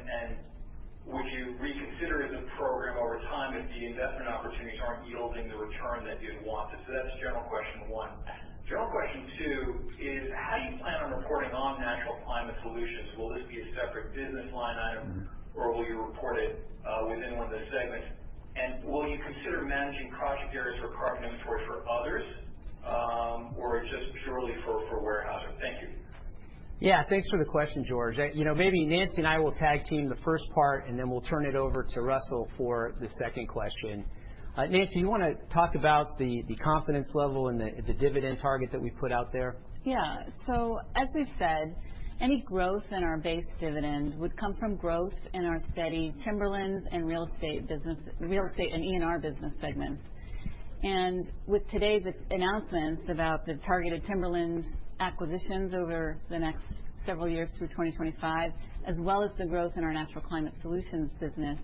Would you reconsider the program over time if the investment opportunities aren't yielding the return that you'd want it? That's general question one. General question two is, how do you plan on reporting on Natural Climate Solutions? Will this be a separate business line item, or will you report it within one of the segments? Will you consider managing project areas for carbon inventory for others? Just purely for Weyerhaeuser? Thank you. Yeah. Thanks for the question, George. Maybe Nancy and I will tag-team the first part, and then we'll turn it over to Russell for the second question. Nancy, you wanna talk about the confidence level and the dividend target that we put out there? As we've said, any growth in our base dividend would come from growth in our steady Timberlands and Real Estate and ENR business segments. With today's announcement about the targeted Timberlands acquisitions over the next several years through 2025, as well as the growth in our Natural Climate Solutions business,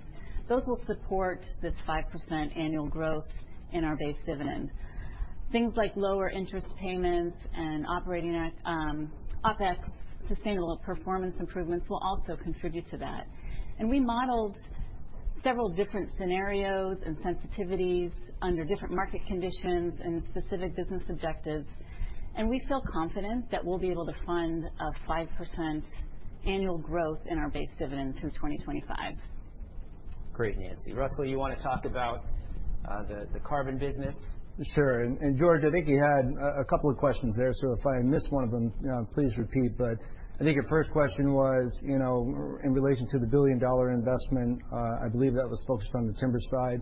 those will support this 5% annual growth in our base dividend. Things like lower interest payments and operating OpEx sustainable performance improvements will also contribute to that. We modeled several different scenarios and sensitivities under different market conditions and specific business objectives, and we feel confident that we'll be able to fund a 5% annual growth in our base dividend through 2025. Great, Nancy. Russell, you wanna talk about the carbon business? Sure. George, I think you had a couple of questions there. If I missed one of them, please repeat. I think your first question was, in relation to the billion-dollar investment. I believe that was focused on the timber side.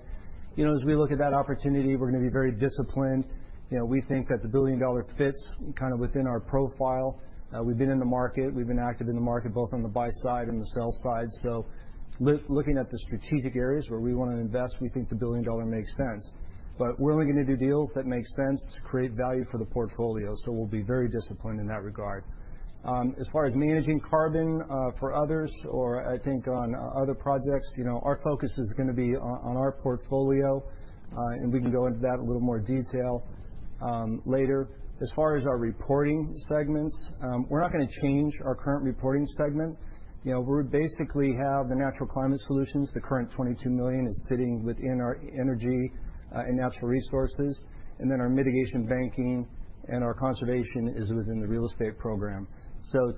As we look at that opportunity, we're going to be very disciplined. We think that the billion-dollar fits within our profile. We've been in the market, we've been active in the market both on the buy side and the sell side. Looking at the strategic areas where we want to invest, we think the billion-dollar makes sense. We're only going to do deals that make sense to create value for the portfolio. We'll be very disciplined in that regard. As far as managing carbon for others or I think on other projects, our focus is going to be on our portfolio. We can go into that in a little more detail later. As far as our reporting segments, we're not going to change our current reporting segment. We basically have the Natural Climate Solutions. The current $22 million is sitting within our Energy & Natural Resources, and then our mitigation banking and our conservation is within the Real Estate program.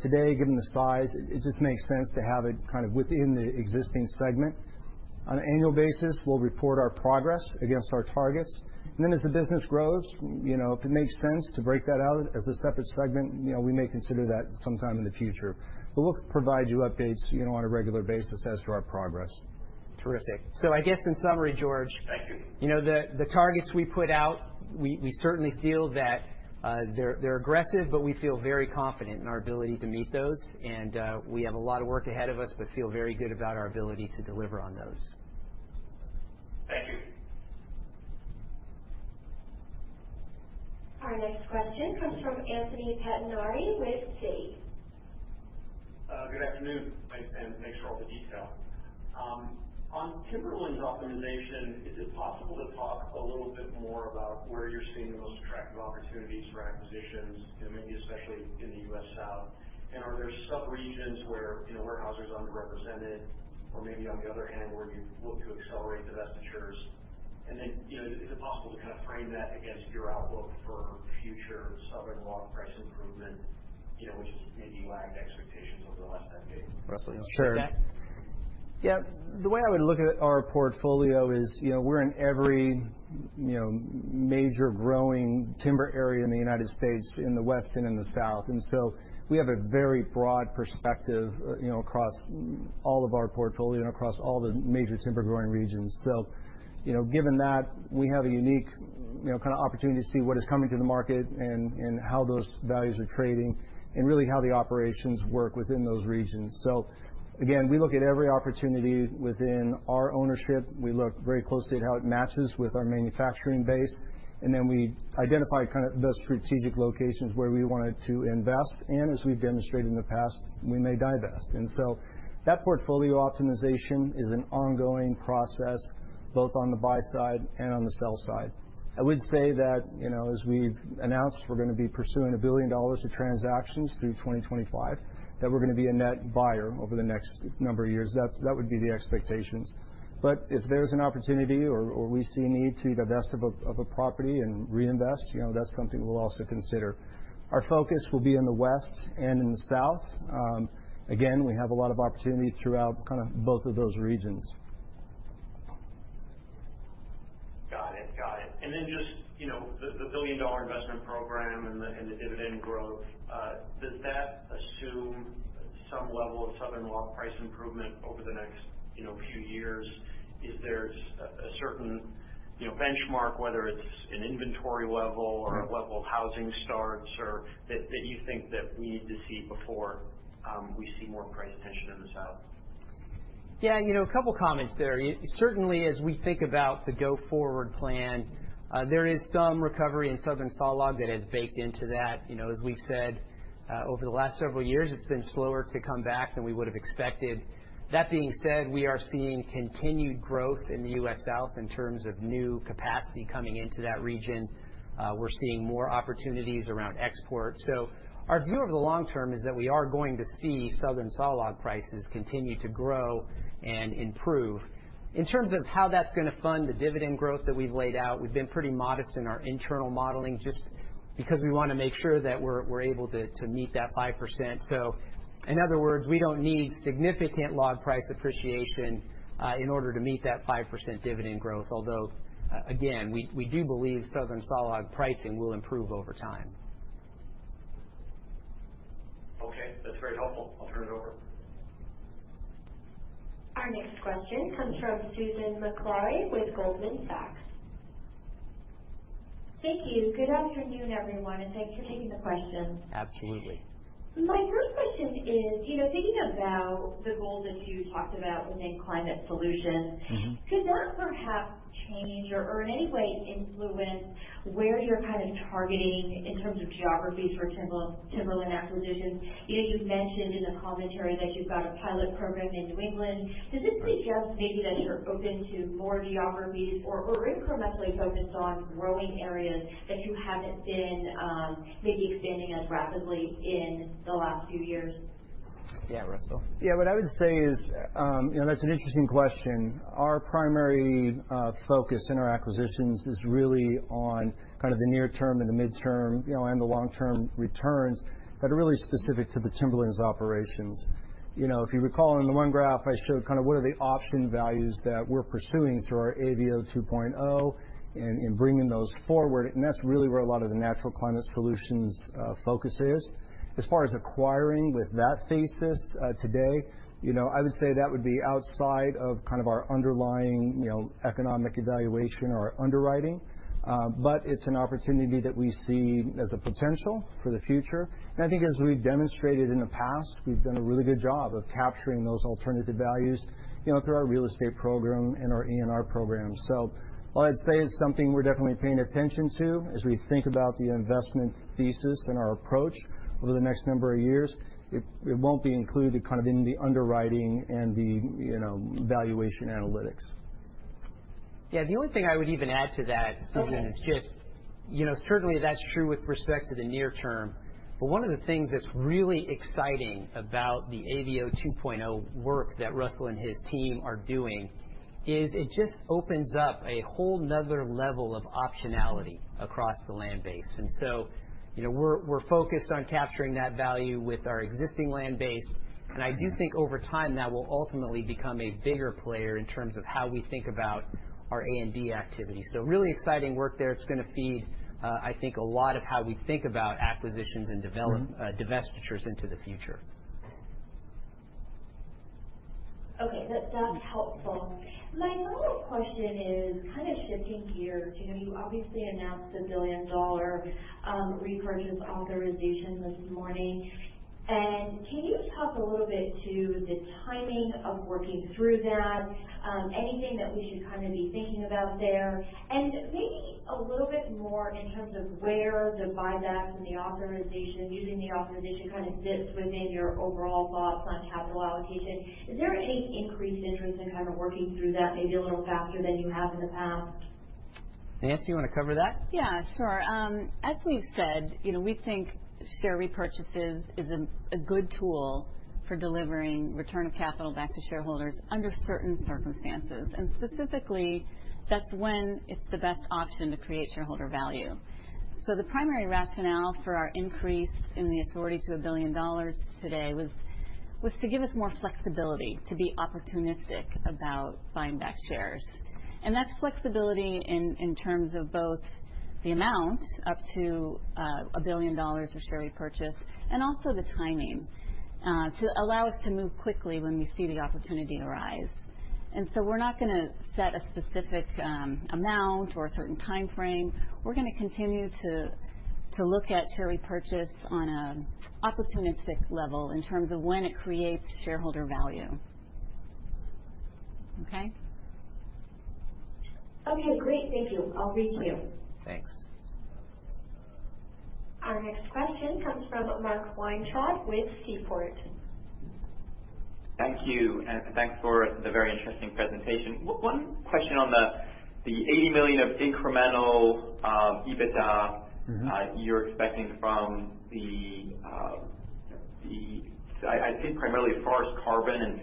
Today, given the size, it just makes sense to have it within the existing segment. On an annual basis, we'll report our progress against our targets, and then as the business grows, if it makes sense to break that out as a separate segment, we may consider that sometime in the future. We'll provide you updates on a regular basis as to our progress. Terrific. I guess in summary, George. Thank you. The targets we put out, we certainly feel that they're aggressive, but we feel very confident in our ability to meet those. We have a lot of work ahead of us but feel very good about our ability to deliver on those. Thank you. Our next question comes from Anthony Pettinari with Citi. Good afternoon. Thanks for all the detail. On Timberlands optimization, is it possible to talk a little bit more about where you're seeing the most attractive opportunities for acquisitions, maybe especially in the U.S. South? Are there sub-regions where Weyerhaeuser is underrepresented or maybe on the other hand, where you look to accelerate divestitures? Is it possible to kind of frame that against your outlook for future southern log price improvement, which has maybe lagged expectations over the last decade? Russell, you want to take that? Sure. Yeah, the way I would look at our portfolio is we're in every major growing timber area in the U.S., in the West and in the South. We have a very broad perspective across all of our portfolio and across all the major timber growing regions. Given that we have a unique kind of opportunity to see what is coming to the market and how those values are trading and really how the operations work within those regions. Again, we look at every opportunity within our ownership. We look very closely at how it matches with our manufacturing base, and then we identify the strategic locations where we wanted to invest. As we've demonstrated in the past, we may divest. That portfolio optimization is an ongoing process both on the buy side and on the sell side. I would say that as we've announced, we're going to be pursuing in a billion dollars of transactions through 2025, that we're going to be a net buyer over the next number of years. That would be the expectations. If there's an opportunity or we see a need to divest of a property and reinvest, that's something we'll also consider. Our focus will be in the West and in the South. Again, we have a lot of opportunities throughout both of those regions. Got it. Just the billion-dollar investment program and the dividend growth, does that assume some level of southern log price improvement over the next few years? Is there a certain benchmark, whether it's an inventory level or a level of housing starts or that you think that we need to see before we see more price tension in the South? Yeah, a couple of comments there. Certainly, as we think about the go-forward plan, there is some recovery in southern sawlog that is baked into that. As we said, over the last several years, it's been slower to come back than we would have expected. That being said, we are seeing continued growth in the U.S. South in terms of new capacity coming into that region. We're seeing more opportunities around export. Our view of the long term is that we are going to see southern sawlog prices continue to grow and improve. In terms of how that's going to fund the dividend growth that we've laid out, we've been pretty modest in our internal modeling just because we want to make sure that we're able to meet that 5%. In other words, we don't need significant log price appreciation in order to meet that 5% dividend growth. Again, we do believe southern sawlog pricing will improve over time. Okay. That's very helpful. I'll turn it over. Our next question comes from Susan Maklari with Goldman Sachs. Thank you. Good afternoon, everyone, and thanks for taking the questions. Absolutely. My first question is, thinking about the goal that you talked about within Climate Solutions. Could that perhaps change or in any way influence where you're kind of targeting in terms of geographies for timberland acquisitions? You mentioned in the commentary that you've got a pilot program in New England. Does this suggest maybe that you're open to more geographies or incrementally focused on growing areas that you haven't been maybe expanding as rapidly in the last few years? Yeah, Russell. Yeah. What I would say is that's an interesting question. Our primary focus in our acquisitions is really on the near term and the midterm, and the long-term returns that are really specific to the Timberlands operations. If you recall, in the one graph I showed what are the option values that we're pursuing through our AVO 2.0 in bringing those forward, and that's really where a lot of the Natural Climate Solutions focus is. As far as acquiring with that thesis today, I would say that would be outside of our underlying economic evaluation or underwriting. It's an opportunity that we see as a potential for the future. I think as we've demonstrated in the past, we've done a really good job of capturing those alternative values through our real estate program and our ENR program. All I'd say is something we're definitely paying attention to as we think about the investment thesis and our approach over the next number of years. It won't be included in the underwriting and the valuation analytics. Yeah. The only thing I would even add to that, Susan, is just certainly that's true with respect to the near term, but one of the things that's really exciting about the AVO 2.0 work that Russell and his team are doing is it just opens up a whole another level of optionality across the land base. We're focused on capturing that value with our existing land base, and I do think over time, that will ultimately become a bigger player in terms of how we think about our A&D activity. Really exciting work there. It's going to feed, I think, a lot of how we think about acquisitions and divestitures into the future. Okay. That's helpful. My follow-up question is kind of shifting gears. You obviously announced the billion-dollar repurchase authorization this morning. Can you just talk a little bit to the timing of working through that? Anything that we should be thinking about there? Maybe a little bit more in terms of where the buyback and the authorization, using the authorization kind of fits within your overall thoughts on capital allocation. Is there any increased interest in kind of working through that, maybe a little faster than you have in the past? Nancy, you want to cover that? Yeah, sure. As we've said, we think share repurchases is a good tool for delivering return of capital back to shareholders under certain circumstances. Specifically, that's when it's the best option to create shareholder value. The primary rationale for our increase in the authority to a billion dollars today was to give us more flexibility to be opportunistic about buying back shares. That's flexibility in terms of both the amount, up to a billion dollars of share repurchase, and also the timing, to allow us to move quickly when we see the opportunity arise. We're not going to set a specific amount or a certain timeframe. We're going to continue to look at share repurchase on an opportunistic level in terms of when it creates shareholder value. Okay? Okay, great. Thank you. I'll reach to you. Thanks. Our next question comes from Mark Weintraub with Seaport. Thank you. Thanks for the very interesting presentation. One question on the $80 million of incremental EBITDA you're expecting from the, I think primarily as far as carbon and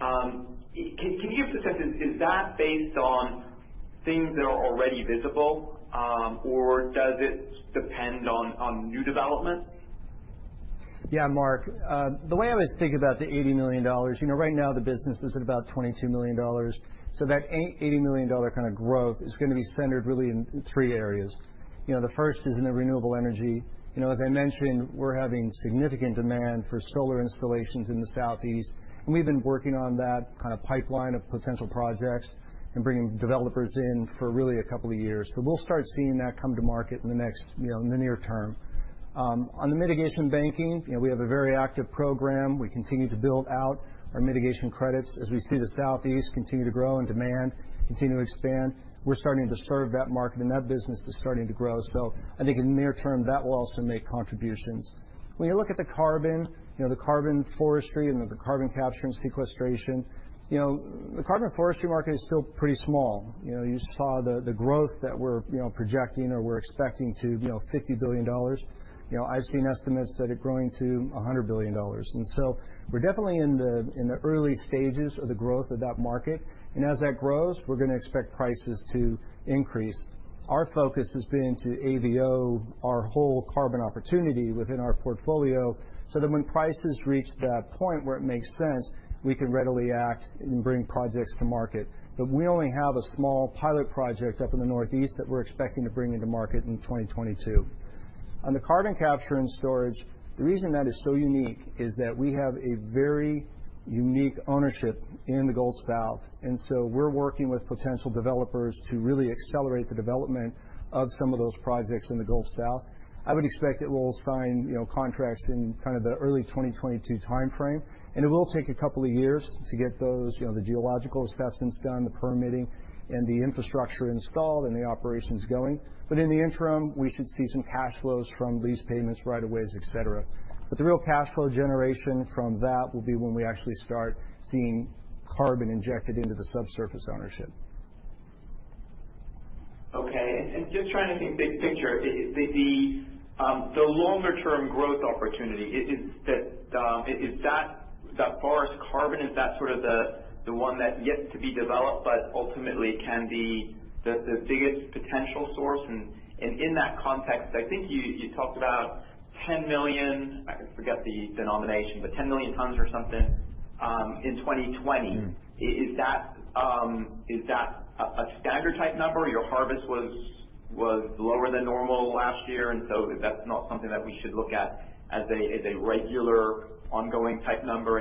CCS. Can you give a sense, is that based on things that are already visible? Or does it depend on new development? Yeah, Mark. The way I would think about the $80 million, right now the business is at about $22 million. That $80 million kind of growth is going to be centered really in three areas. The first is in the renewable energy. As I mentioned, we're having significant demand for solar installations in the Southeast, and we've been working on that kind of pipeline of potential projects and bringing developers in for really a couple years. We'll start seeing that come to market in the near term. On the mitigation banking, we have a very active program. We continue to build out our mitigation credits as we see the Southeast continue to grow and demand continue to expand. We're starting to serve that market, and that business is starting to grow. I think in the near term, that will also make contributions. When you look at the carbon forestry and the Carbon Capture and Sequestration, the carbon forestry market is still pretty small. You saw the growth that we're projecting or we're expecting to $50 billion. I've seen estimates that are growing to $100 billion. We're definitely in the early stages of the growth of that market. As that grows, we're going to expect prices to increase. Our focus has been to AVO our whole carbon opportunity within our portfolio, so that when prices reach that point where it makes sense, we can readily act and bring projects to market. We only have a small pilot project up in the Northeast that we're expecting to bring into market in 2022. On the Carbon Capture and Storage, the reason that is so unique is that we have a very unique ownership in the Gulf South, and so we're working with potential developers to really accelerate the development of some of those projects in the Gulf South. I would expect that we'll sign contracts in kind of the early 2022 timeframe, and it will take a couple years to get those geological assessments done, the permitting, and the infrastructure installed, and the operations going. In the interim, we should see some cash flows from lease payments, right-of-ways, et cetera. The real cash flow generation from that will be when we actually start seeing carbon injected into the subsurface ownership. Okay. Just trying to think big picture, the longer-term growth opportunity, is that forest carbon, is that the one that's yet to be developed but ultimately can be the biggest potential source? In that context, I think you talked about 10 million, I forget the denomination, but 10 million tons or something in 2020. Is that a standard type number? Your harvest was lower than normal last year, that's not something that we should look at as a regular ongoing type number.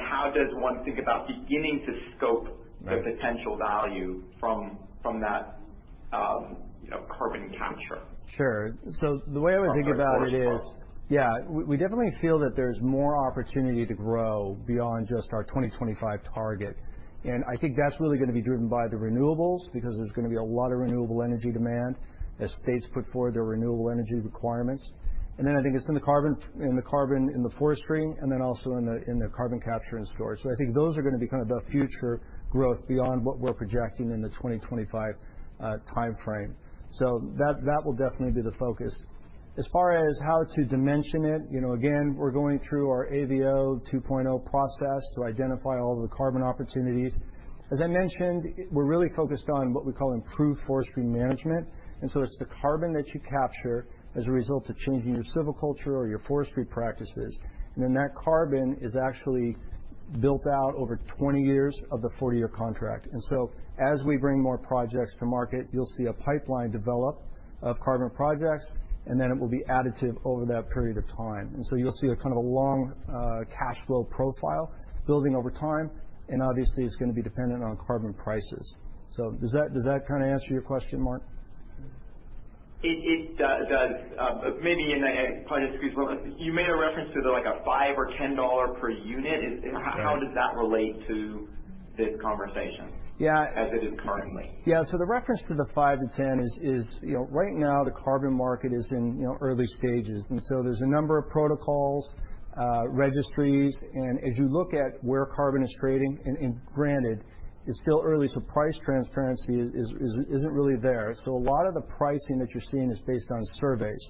How does one think about beginning to scope- Right The potential value from that carbon capture? Sure. The way I would think about it. From a forest product. We definitely feel that there's more opportunity to grow beyond just our 2025 target. I think that's really going to be driven by the renewables, because there's going to be a lot of renewable energy demand as states put forward their renewable energy requirements. I think it's in the carbon in the forestry, and then also in the Carbon Capture and Storage. I think those are going to be the future growth beyond what we're projecting in the 2025 timeframe. That will definitely be the focus. As far as how to dimension it, again, we're going through our AVO 2.0 process to identify all of the carbon opportunities. As I mentioned, we're really focused on what we call Improved Forest Management. It's the carbon that you capture as a result of changing your silviculture or your forestry practices. That carbon is actually built out over 20 years of the 40-year contract. As we bring more projects to market, you'll see a pipeline develop of carbon projects, and then it will be additive over that period of time. You'll see a kind of a long cash flow profile building over time, and obviously, it's going to be dependent on carbon prices. Does that kind of answer your question, Mark? It does. Maybe, and I apologize for this, but you made a reference to a $5 or $10 per unit. Okay. How does that relate to this conversation? Yeah as it is currently? Yeah. The reference to the $5-$10 is, right now, the carbon market is in early stages, and so there's a number of protocols, registries. As you look at where carbon is trading, and granted, it's still early, so price transparency isn't really there. A lot of the pricing that you're seeing is based on surveys,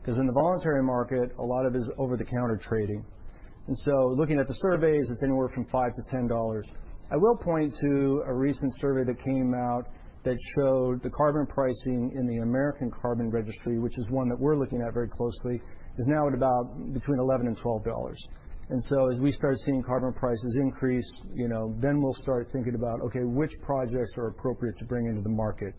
because in the voluntary market, a lot of it is over-the-counter trading. Looking at the surveys, it's anywhere from $5-$10. I will point to a recent survey that came out that showed the carbon pricing in the American Carbon Registry, which is one that we're looking at very closely, is now at about between $11-$12. As we start seeing carbon prices increase, then we'll start thinking about, okay, which projects are appropriate to bring into the market?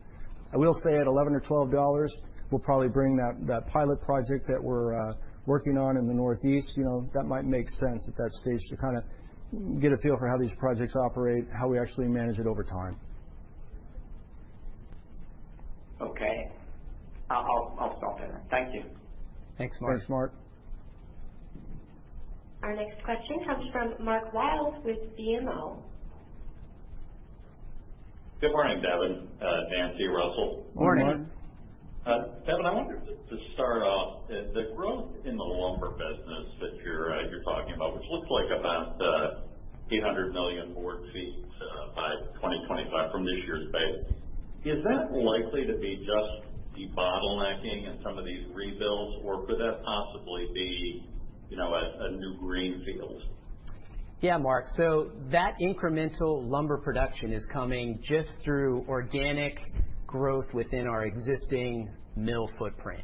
I will say at $11 or $12, we'll probably bring that pilot project that we're working on in the Northeast. That might make sense at that stage to kind of get a feel for how these projects operate, how we actually manage it over time. Okay. I'll stop there. Thank you. Thanks, Mark. Thanks, Mark. Our next question comes from Mark Wilde with BMO. Good morning, Devin, Nancy, Russell. Morning. Morning. Devin, I wonder, to start off, the growth in the lumber business that you're talking about, which looks like about 800 million board feet by 2025 from this year's base, is that likely to be just debottlenecking in some of these rebuilds, or could that possibly be a new greenfield? Yeah, Mark. That incremental lumber production is coming just through organic growth within our existing mill footprint.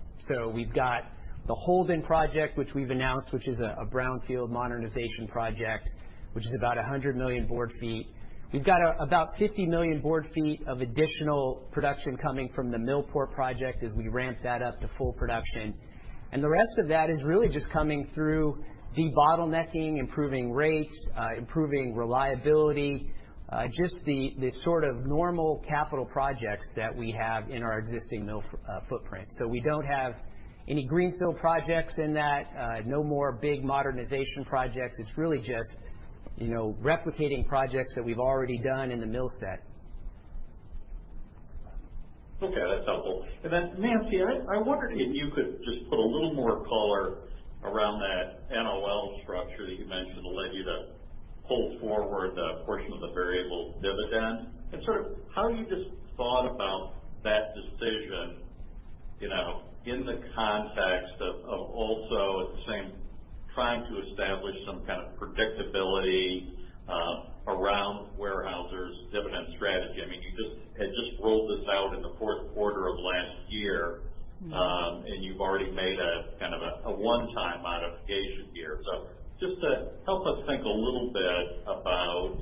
We've got the Holden project, which we've announced, which is a brownfield modernization project, which is about 100 million board feet. We've got about 50 million board feet of additional production coming from the Millport project as we ramp that up to full production. The rest of that is really just coming through debottlenecking, improving rates, improving reliability, just the sort of normal capital projects that we have in our existing mill footprint. We don't have any greenfield projects in that. No more big modernization projects. It's really just replicating projects that we've already done in the mill set. Okay, that's helpful. Nancy, I wondered if you could just put a little more color around that NOL structure that you mentioned, the levy that pulls forward a portion of the variable dividend, and sort of how you just thought about that decision, in the context of also at the same, trying to establish some kind of predictability around Weyerhaeuser's dividend strategy. I mean, you had just rolled this out in the fourth quarter of last year. You've already made a kind of a one-time modification here. Just to help us think a little bit about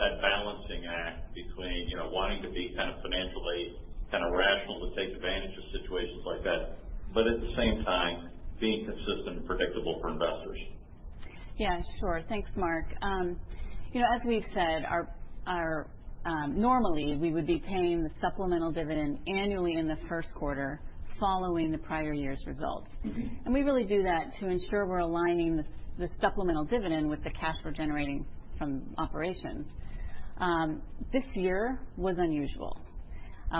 that balancing act between wanting to be kind of financially rational to take advantage of situations like that, but at the same time, being consistent and predictable for investors. Yeah, sure. Thanks, Mark. We've said, normally we would be paying the supplemental dividend annually in the first quarter following the prior year's results. We really do that to ensure we're aligning the supplemental dividend with the cash we're generating from operations. This year was unusual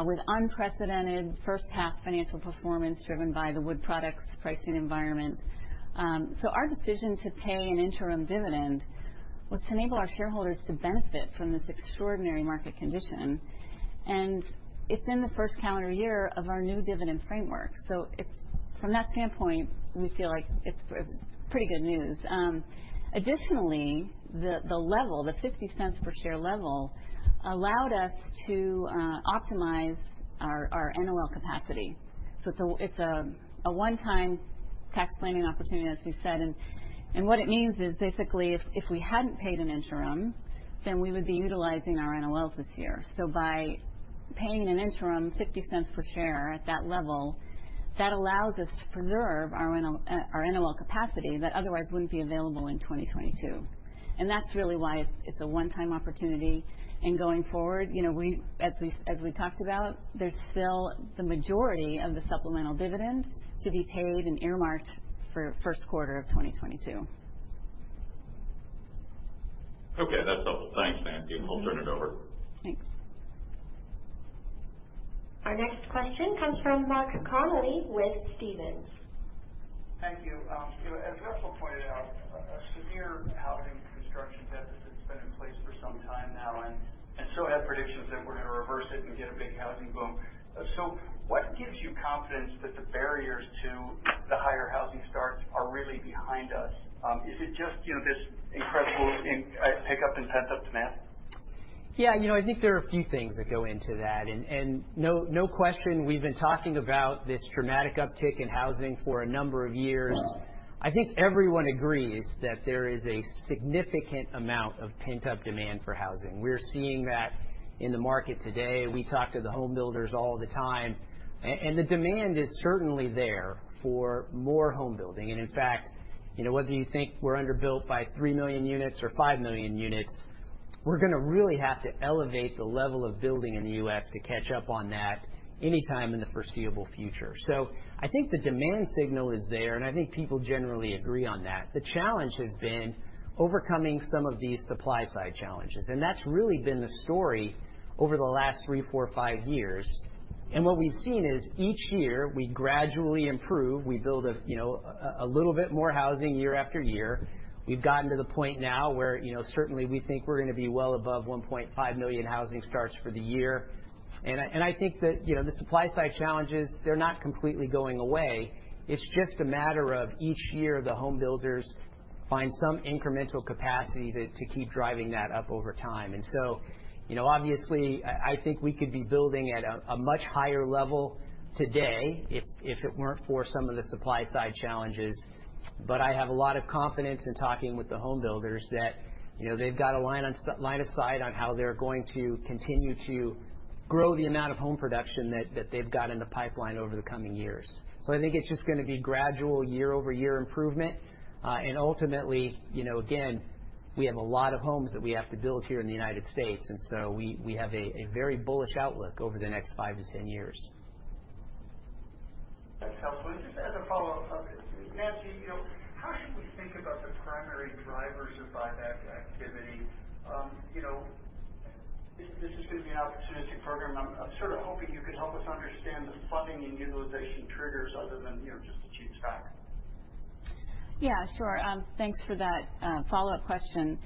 With unprecedented first-half financial performance driven by the Wood Products pricing environment. Our decision to pay an interim dividend was to enable our shareholders to benefit from this extraordinary market condition. It's in the first calendar year of our new dividend framework. From that standpoint, we feel like it's pretty good news. Additionally, the $0.50 per share level allowed us to optimize our NOL capacity. It's a one-time tax planning opportunity, as we said. What it means is basically, if we hadn't paid an interim, then we would be utilizing our NOLs this year. By paying an interim $0.50 per share at that level, that allows us to preserve our NOL capacity that otherwise wouldn't be available in 2022. That's really why it's a one-time opportunity. Going forward, as we talked about, there's still the majority of the supplemental dividend to be paid and earmarked for the first quarter of 2022. Okay, that's helpful, thanks, Nancy. I'll turn it over. Thanks. Our next question comes from Mark Connelly with Stephens. Thank you. As Russell pointed out, a severe housing construction deficit has been in place for some time now, and so have predictions that we're going to reverse it and get a big housing boom. What gives you confidence that the barriers to the higher housing starts are really behind us? Is it just this incredible pickup in pent-up demand? Yeah, I think there are a few things that go into that. No question, we've been talking about this dramatic uptick in housing for a number of years. I think everyone agrees that there is a significant amount of pent-up demand for housing. We're seeing that in the market today. We talk to the home builders all the time. The demand is certainly there for more home building. In fact, whether you think we're underbuilt by three million units or five million units, we're going to really have to elevate the level of building in the U.S. to catch up on that anytime in the foreseeable future. I think the demand signal is there. I think people generally agree on that. The challenge has been overcoming some of these supply-side challenges. That's really been the story over the last three, four, five years. What we've seen is each year we gradually improve. We build a little bit more housing year after year. We've gotten to the point now where certainly we think we're going to be well above 1.5 million housing starts for the year. I think that the supply-side challenges, they're not completely going away. It's just a matter of each year, the home builders find some incremental capacity to keep driving that up over time. Obviously, I think we could be building at a much higher level today if it weren't for some of the supply-side challenges. I have a lot of confidence in talking with the home builders that they've got a line of sight on how they're going to continue to grow the amount of home production that they've got in the pipeline over the coming years. I think it's just going to be gradual year-over-year improvement. Ultimately, again, we have a lot of homes that we have to build here in the United States, and so we have a very bullish outlook over the next 5-10 years. That's helpful. Just as a follow-up, Nancy, how should we think about the primary drivers of buyback activity? This is going to be an opportunistic program. I'm sort of hoping you could help us understand the funding and utilization triggers other than just the cheap stock. Sure. Thanks for that follow-up question.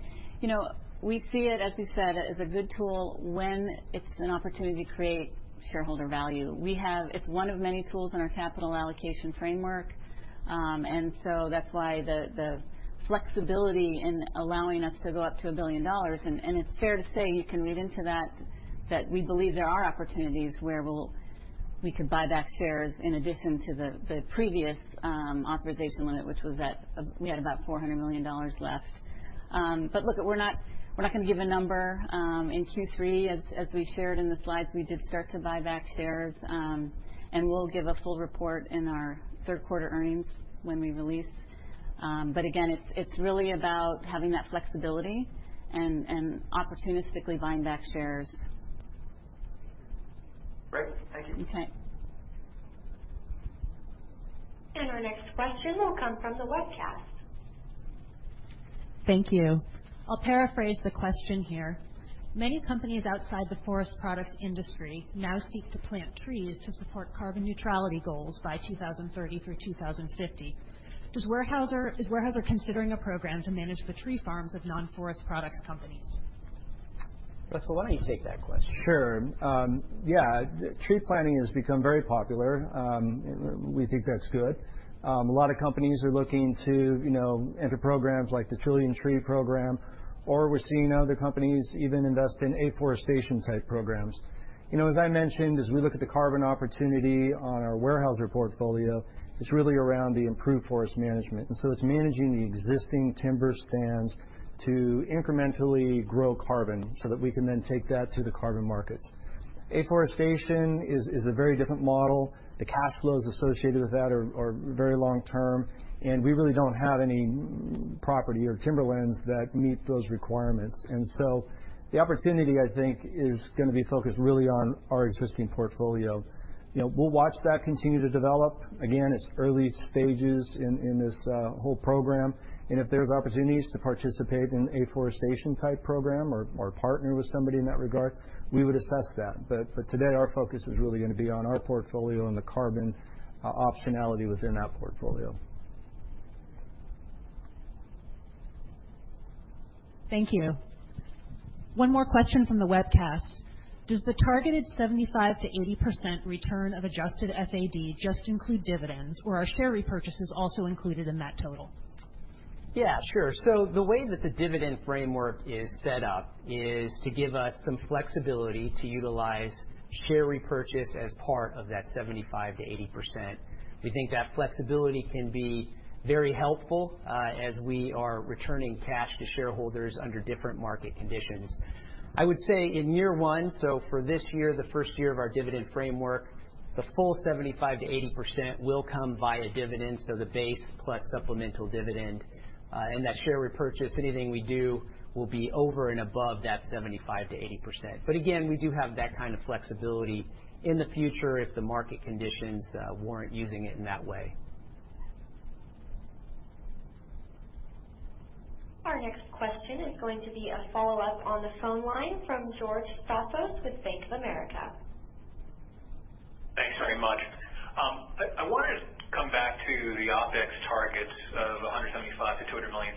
We see it, as you said, as a good tool when it's an opportunity to create shareholder value. It's one of many tools in our capital allocation framework. That's why the flexibility in allowing us to go up to a billion dollars, and it's fair to say you can read into that we believe there are opportunities where we could buy back shares in addition to the previous authorization limit, which was that we had about $400 million left. Look, we're not going to give a number. In Q3, as we shared in the slides, we did start to buy back shares. We'll give a full report in our third-quarter earnings when we release. Again, it's really about having that flexibility and opportunistically buying back shares. Great. Thank you. Okay. Our next question will come from the webcast. Thank you. I'll paraphrase the question here. Many companies outside the forest products industry now seek to plant trees to support carbon neutrality goals by 2030 through 2050. Is Weyerhaeuser considering a program to manage the tree farms of non-forest products companies? Russell, why don't you take that question? Sure. Yeah. Tree planting has become very popular. We think that's good. A lot of companies are looking to enter programs like the Trillion Tree program, or we're seeing other companies even invest in afforestation-type programs. As I mentioned, as we look at the carbon opportunity on our Weyerhaeuser portfolio, it's really around the improved forest management. It's managing the existing timber stands to incrementally grow carbon so that we can then take that to the carbon markets. Afforestation is a very different model. The cash flows associated with that are very long-term. We really don't have any property or Timberlands that meet those requirements. The opportunity, I think, is going to be focused really on our existing portfolio. We'll watch that continue to develop. Again, it's early stages in this whole program, and if there's opportunities to participate in afforestation type program or partner with somebody in that regard, we would assess that. Today, our focus is really going to be on our portfolio and the carbon optionality within that portfolio. Thank you. One more question from the webcast. Does the targeted 75%-80% return of adjusted FAD just include dividends, or are share repurchases also included in that total? Yeah, sure. The way that the dividend framework is set up is to give us some flexibility to utilize share repurchase as part of that 75%-80%. We think that flexibility can be very helpful as we are returning cash to shareholders under different market conditions. I would say in year one, so for this year, the first year of our dividend framework, the full 75%-80% will come via dividends, so the base plus supplemental dividend. That share repurchase, anything we do will be over and above that 75%-80%. Again, we do have that kind of flexibility in the future if the market conditions warrant using it in that way. Our next question is going to be a follow-up on the phone line from George Staphos with Bank of America. Thanks very much. I wanted to come back to the OpEx targets of $175 million-$200 million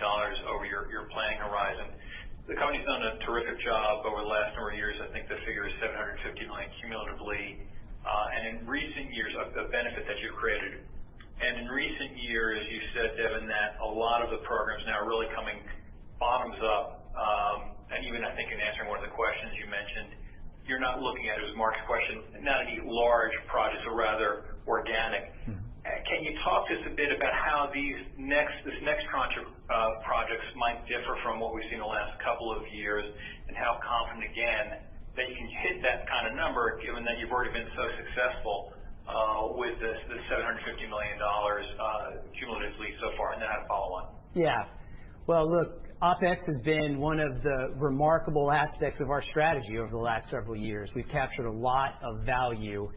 over your planning horizon. The company's done a terrific job over the last number of years. I think the figure is $750 million cumulatively, and in recent years of the benefit that you've created. In recent years, you said, Devin, that a lot of the programs now are really coming bottoms up, and even I think in answering one of the questions you mentioned, you're not looking at it as Mark's question, not any large projects, but rather organic. Can you talk to us a bit about how this next tranche of projects might differ from what we've seen the last couple of years, and how confident, again, that you can hit that kind of number, given that you've already been so successful with this $750 million cumulatively so far? I have a follow-on. Well, look, OpEx has been one of the remarkable aspects of our strategy over the last several years. We've captured a lot of value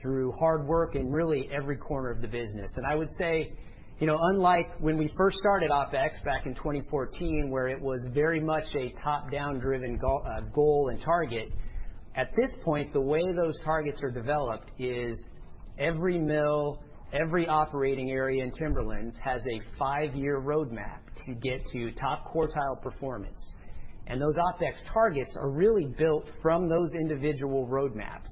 through hard work in really every corner of the business. I would say, unlike when we first started OpEx back in 2014, where it was very much a top-down driven goal and target, at this point, the way those targets are developed is every mill, every operating area in Timberlands has a five-year roadmap to get to top quartile performance. Those OpEx targets are really built from those individual roadmaps.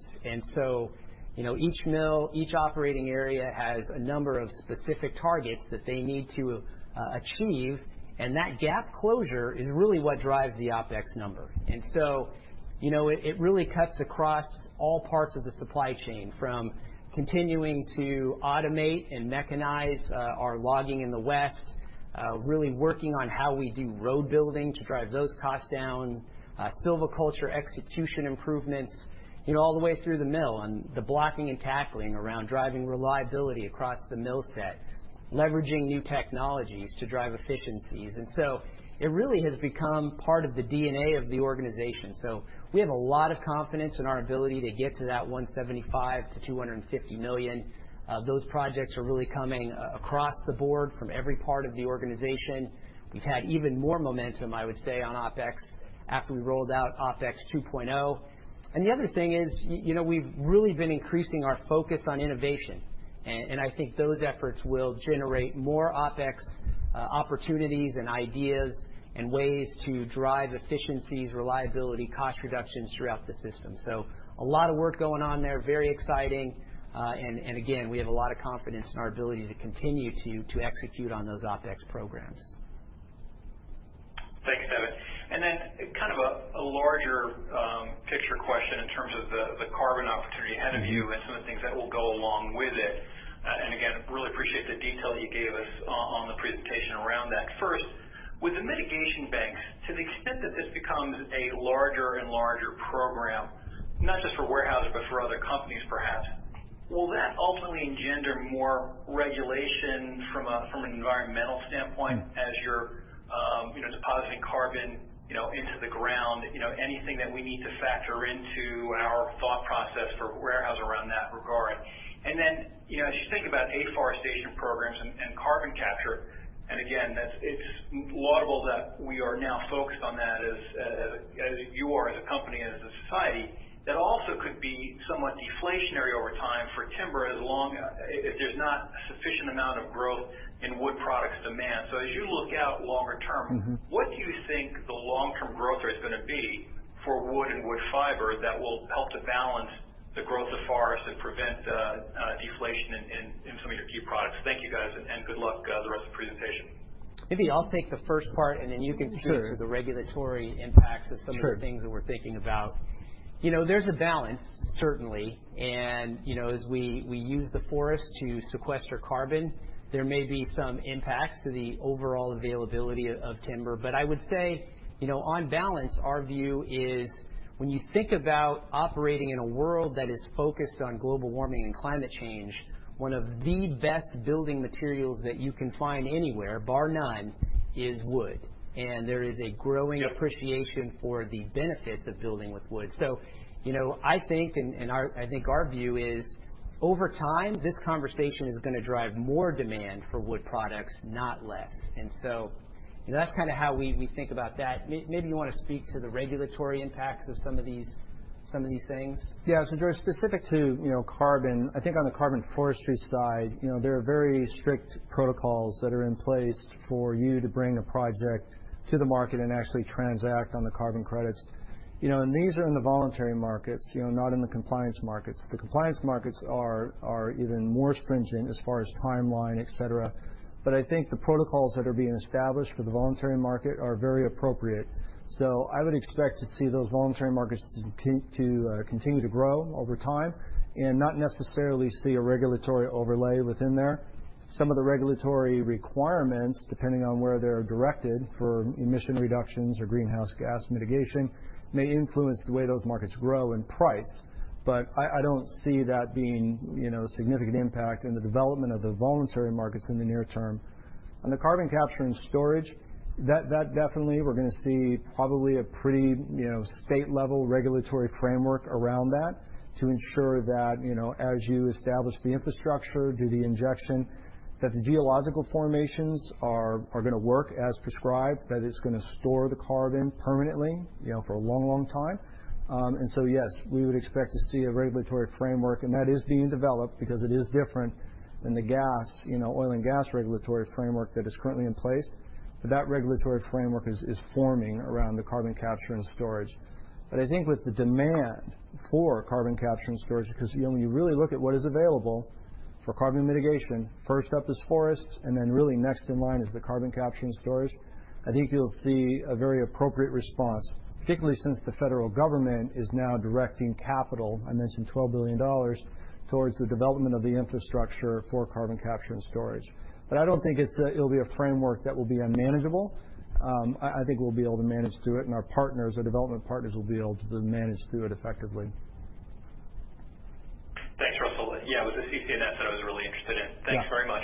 Each mill, each operating area has a number of specific targets that they need to achieve, and that gap closure is really what drives the OpEx number. It really cuts across all parts of the supply chain, from continuing to automate and mechanize our logging in the West, really working on how we do road building to drive those costs down, silviculture execution improvements all the way through the mill, and the blocking and tackling around driving reliability across the mill set, leveraging new technologies to drive efficiencies. It really has become part of the DNA of the organization. We have a lot of confidence in our ability to get to that $175 million-$250 million. Those projects are really coming across the board from every part of the organization. We've had even more momentum, I would say, on OpEx after we rolled out OpEx 2.0. The other thing is, we've really been increasing our focus on innovation, I think those efforts will generate more OpEx opportunities and ideas and ways to drive efficiencies, reliability, cost reductions throughout the system. A lot of work going on there, very exciting. Again, we have a lot of confidence in our ability to continue to execute on those OpEx programs. Thanks, Devin. Kind of a larger picture question in terms of the carbon opportunity ahead of you and some of the things that will go along with it. Again, really appreciate the detail that you gave us on the presentation around that. First, with the mitigation banks, to the extent that this becomes a larger and larger program, not just for Weyerhaeuser, but for other companies perhaps, will that ultimately engender more regulation from an environmental standpoint? as you're depositing carbon into the ground? Anything that we need to factor into our thought process for Weyerhaeuser around that regard? Then, as you think about afforestation programs and carbon capture, and again, it's laudable that we are now focused on that as you are as a company and as a society, that also could be somewhat deflationary over time for timber if there's not a sufficient amount of growth in wood products demand. As you look out longer term. What do you think the long-term growth rate is going to be for wood and wood fiber that will help to balance the growth of forests and prevent deflation in some of your key products? Thank you, guys, and good luck the rest of the presentation. Maybe I'll take the first part, and then you can speak to the regulatory impacts as some of the things that we're thinking about. There's a balance, certainly, and as we use the forest to sequester carbon, there may be some impacts to the overall availability of timber. I would say, on balance, our view is when you think about operating in a world that is focused on global warming and climate change, one of the best building materials that you can find anywhere, bar none, is wood. There is a growing appreciation for the benefits of building with wood. I think, and I think our view is, over time, this conversation is going to drive more demand for Wood Products, not less. That's kind of how we think about that. Maybe you want to speak to the regulatory impacts of some of these things. Yeah. George, specific to carbon, I think on the carbon forestry side, there are very strict protocols that are in place for you to bring a project to the market and actually transact on the carbon credits. These are in the voluntary markets, not in the compliance markets. The compliance markets are even more stringent as far as timeline, et cetera. I think the protocols that are being established for the voluntary market are very appropriate. I would expect to see those voluntary markets to continue to grow over time and not necessarily see a regulatory overlay within there. Some of the regulatory requirements, depending on where they're directed for emission reductions or greenhouse gas mitigation, may influence the way those markets grow and price. I don't see that being a significant impact in the development of the voluntary markets in the near term. On the Carbon Capture and Sequestration, definitely we're going to see probably a pretty state-level regulatory framework around that to ensure that as you establish the infrastructure, do the injection, that the geological formations are going to work as prescribed, that it's going to store the carbon permanently for a long, long time. Yes, we would expect to see a regulatory framework, that is being developed because it is different than the oil and gas regulatory framework that is currently in place. That regulatory framework is forming around the Carbon Capture and Sequestration. I think with the demand for Carbon Capture and Sequestration, because when you really look at what is available for carbon mitigation, first up is forests, then really next in line is the Carbon Capture and Sequestration. I think you'll see a very appropriate response, particularly since the federal government is now directing capital, I mentioned $12 billion, towards the development of the infrastructure for carbon capture and storage. I don't think it'll be a framework that will be unmanageable. I think we'll be able to manage through it, and our partners, our development partners, will be able to manage through it effectively. Thanks, Russell. Yeah, it was the CCS that I was really interested in. Yeah. Thanks very much.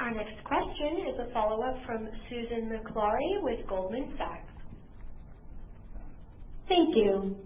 Great. Our next question is a follow-up from Susan Maklari with Goldman Sachs. Thank you.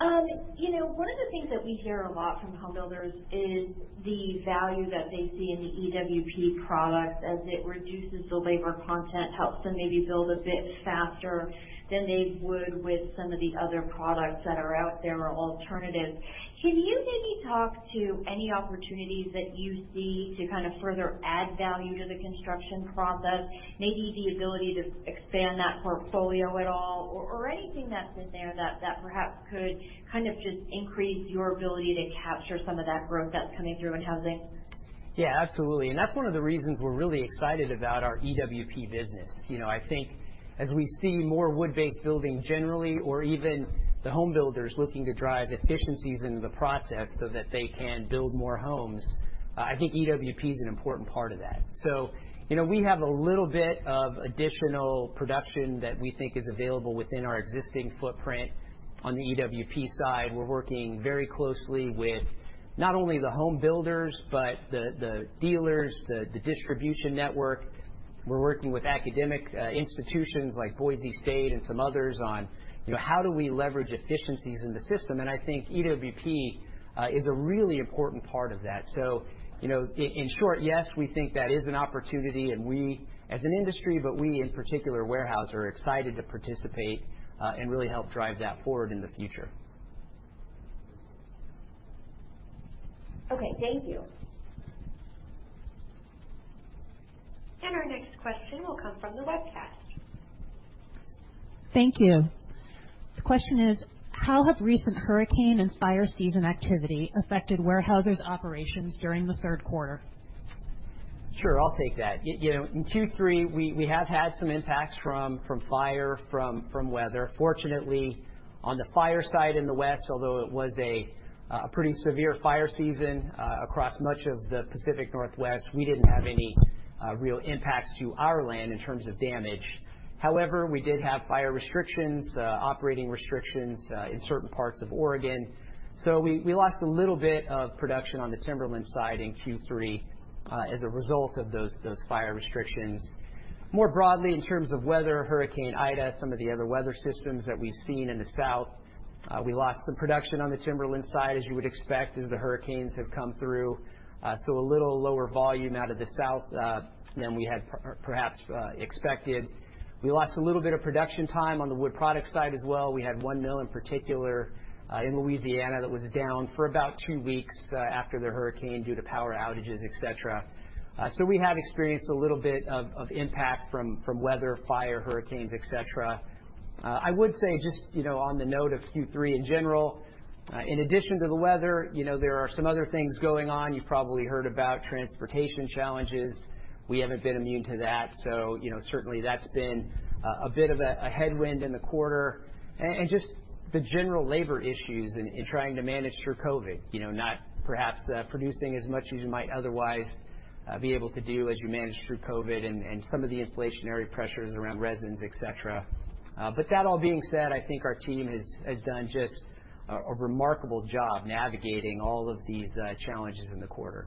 One of the things that we hear a lot from home builders is the value that they see in the EWP product as it reduces the labor content, helps them maybe build a bit faster than they would with some of the other products that are out there or alternatives. Can you maybe talk to any opportunities that you see to kind of further add value to the construction process, maybe the ability to expand that portfolio at all, or anything that's in there that perhaps could kind of just increase your ability to capture some of that growth that's coming through in housing? Yeah, absolutely. That's one of the reasons we're really excited about our EWP business. I think as we see more wood-based building generally or even the home builders looking to drive efficiencies into the process so that they can build more homes, I think EWP is an important part of that. We have a little bit of additional production that we think is available within our existing footprint on the EWP side. We're working very closely with not only the home builders, but the dealers, the distribution network. We're working with academic institutions like Boise State and some others on how do we leverage efficiencies in the system, and I think EWP is a really important part of that. In short, yes, we think that is an opportunity, and we as an industry, but we in particular, Weyerhaeuser, are excited to participate and really help drive that forward in the future. Okay. Thank you. Our next question will come from the webcast. Thank you. The question is: How have recent Hurricane and fire season activity affected Weyerhaeuser's operations during the third quarter? Sure. I'll take that. In Q3, we have had some impacts from fire, from weather. Fortunately, on the fire side in the West, although it was a pretty severe fire season across much of the Pacific Northwest, we didn't have any real impacts to our land in terms of damage. However, we did have fire restrictions, operating restrictions in certain parts of Oregon. We lost a little bit of production on the Timberlands side in Q3 as a result of those fire restrictions. More broadly, in terms of weather, Hurricane Ida, some of the other weather systems that we've seen in the South, we lost some production on the Timberlands side, as you would expect, as the hurricanes have come through. A little lower volume out of the South than we had perhaps expected. We lost a little bit of production time on the Wood Products side as well. We had one mill in particular in Louisiana that was down for about two weeks after the hurricane due to power outages, et cetera. We have experienced a little bit of impact from weather, fire, hurricanes, et cetera. I would say just on the note of Q3 in general, in addition to the weather, there are some other things going on. You've probably heard about transportation challenges. We haven't been immune to that. Certainly that's been a bit of a headwind in the quarter, and just the general labor issues in trying to manage through COVID. Not perhaps producing as much as you might otherwise be able to do as you manage through COVID and some of the inflationary pressures around resins, et cetera. That all being said, I think our team has done just a remarkable job navigating all of these challenges in the quarter.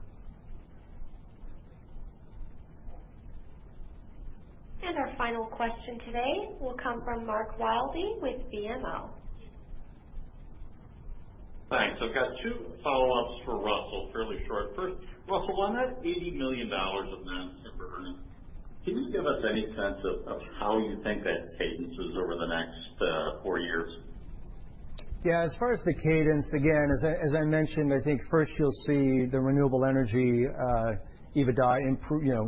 Our final question today will come from Mark Wilde with BMO. Thanks. I've got two follow-ups for Russell, fairly short. First, Russell, on that $80 million of non-timber earnings, can you give us any sense of how you think that cadences over the next four years? Yeah, as far as the cadence, again, as I mentioned, I think first you'll see the renewable energy EBITDA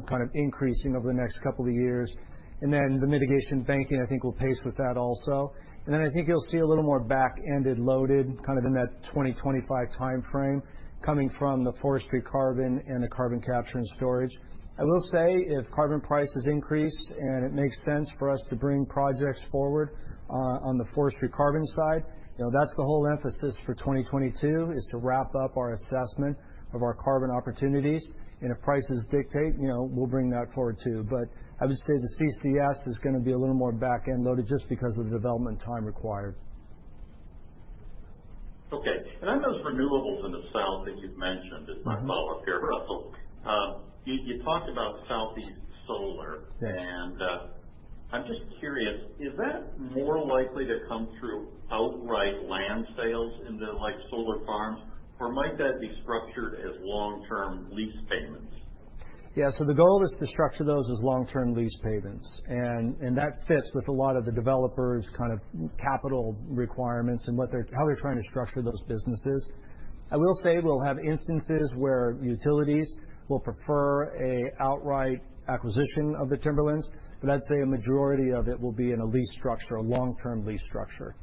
kind of increasing over the next couple of years, then the mitigation banking I think will pace with that also. Then I think you'll see a little more back-end loaded kind of in that 2025 timeframe coming from the forestry carbon and the carbon capture and storage. I will say if carbon prices increase and it makes sense for us to bring projects forward on the forestry carbon side, that's the whole emphasis for 2022, is to wrap up our assessment of our carbon opportunities. If prices dictate, we'll bring that forward too. I would say the CCS is going to be a little more back-end loaded just because of the development time required. Okay. On those renewables in the south that you've mentioned as my follow-up here, Russell, you talked about southeast solar. Yes. I'm just curious, is that more likely to come through outright land sales into like solar farms, or might that be structured as long-term lease payments? The goal is to structure those as long-term lease payments, and that fits with a lot of the developers' kind of capital requirements and how they're trying to structure those businesses. I will say we'll have instances where utilities will prefer an outright acquisition of the timberlands, but I'd say a majority of it will be in a lease structure, a long-term lease structure.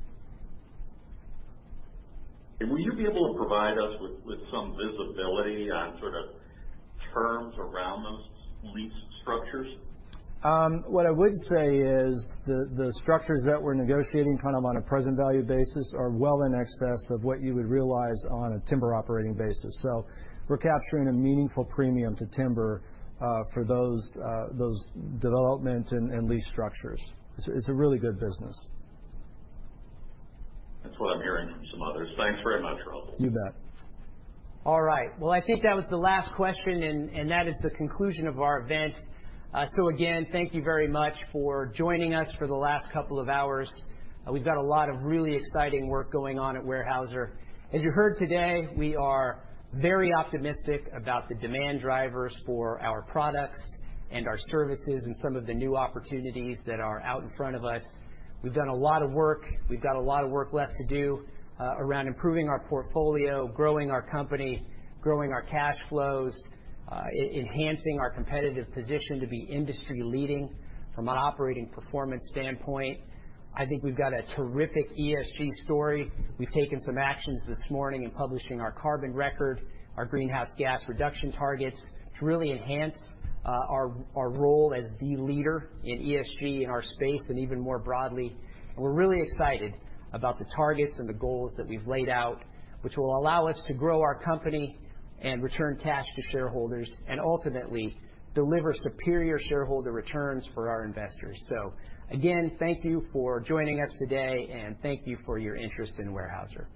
Will you be able to provide us with some visibility on sort of terms around those lease structures? What I would say is the structures that we're negotiating kind of on a present value basis are well in excess of what you would realize on a timber operating basis. We're capturing a meaningful premium to timber for those developments and lease structures. It's a really good business. That's what I'm hearing from some others. Thanks very much, Russell. You bet. All right. Well, I think that was the last question, and that is the conclusion of our event. Again, thank you very much for joining us for the last couple of hours. We've got a lot of really exciting work going on at Weyerhaeuser. As you heard today, we are very optimistic about the demand drivers for our products and our services and some of the new opportunities that are out in front of us. We've done a lot of work. We've got a lot of work left to do around improving our portfolio, growing our company, growing our cash flows, enhancing our competitive position to be industry-leading from an operating performance standpoint. I think we've got a terrific ESG story. We've taken some actions this morning in publishing our carbon record, our greenhouse gas reduction targets to really enhance our role as the leader in ESG in our space and even more broadly. We're really excited about the targets and the goals that we've laid out, which will allow us to grow our company and return cash to shareholders, and ultimately deliver superior shareholder returns for our investors. Again, thank you for joining us today, and thank you for your interest in Weyerhaeuser.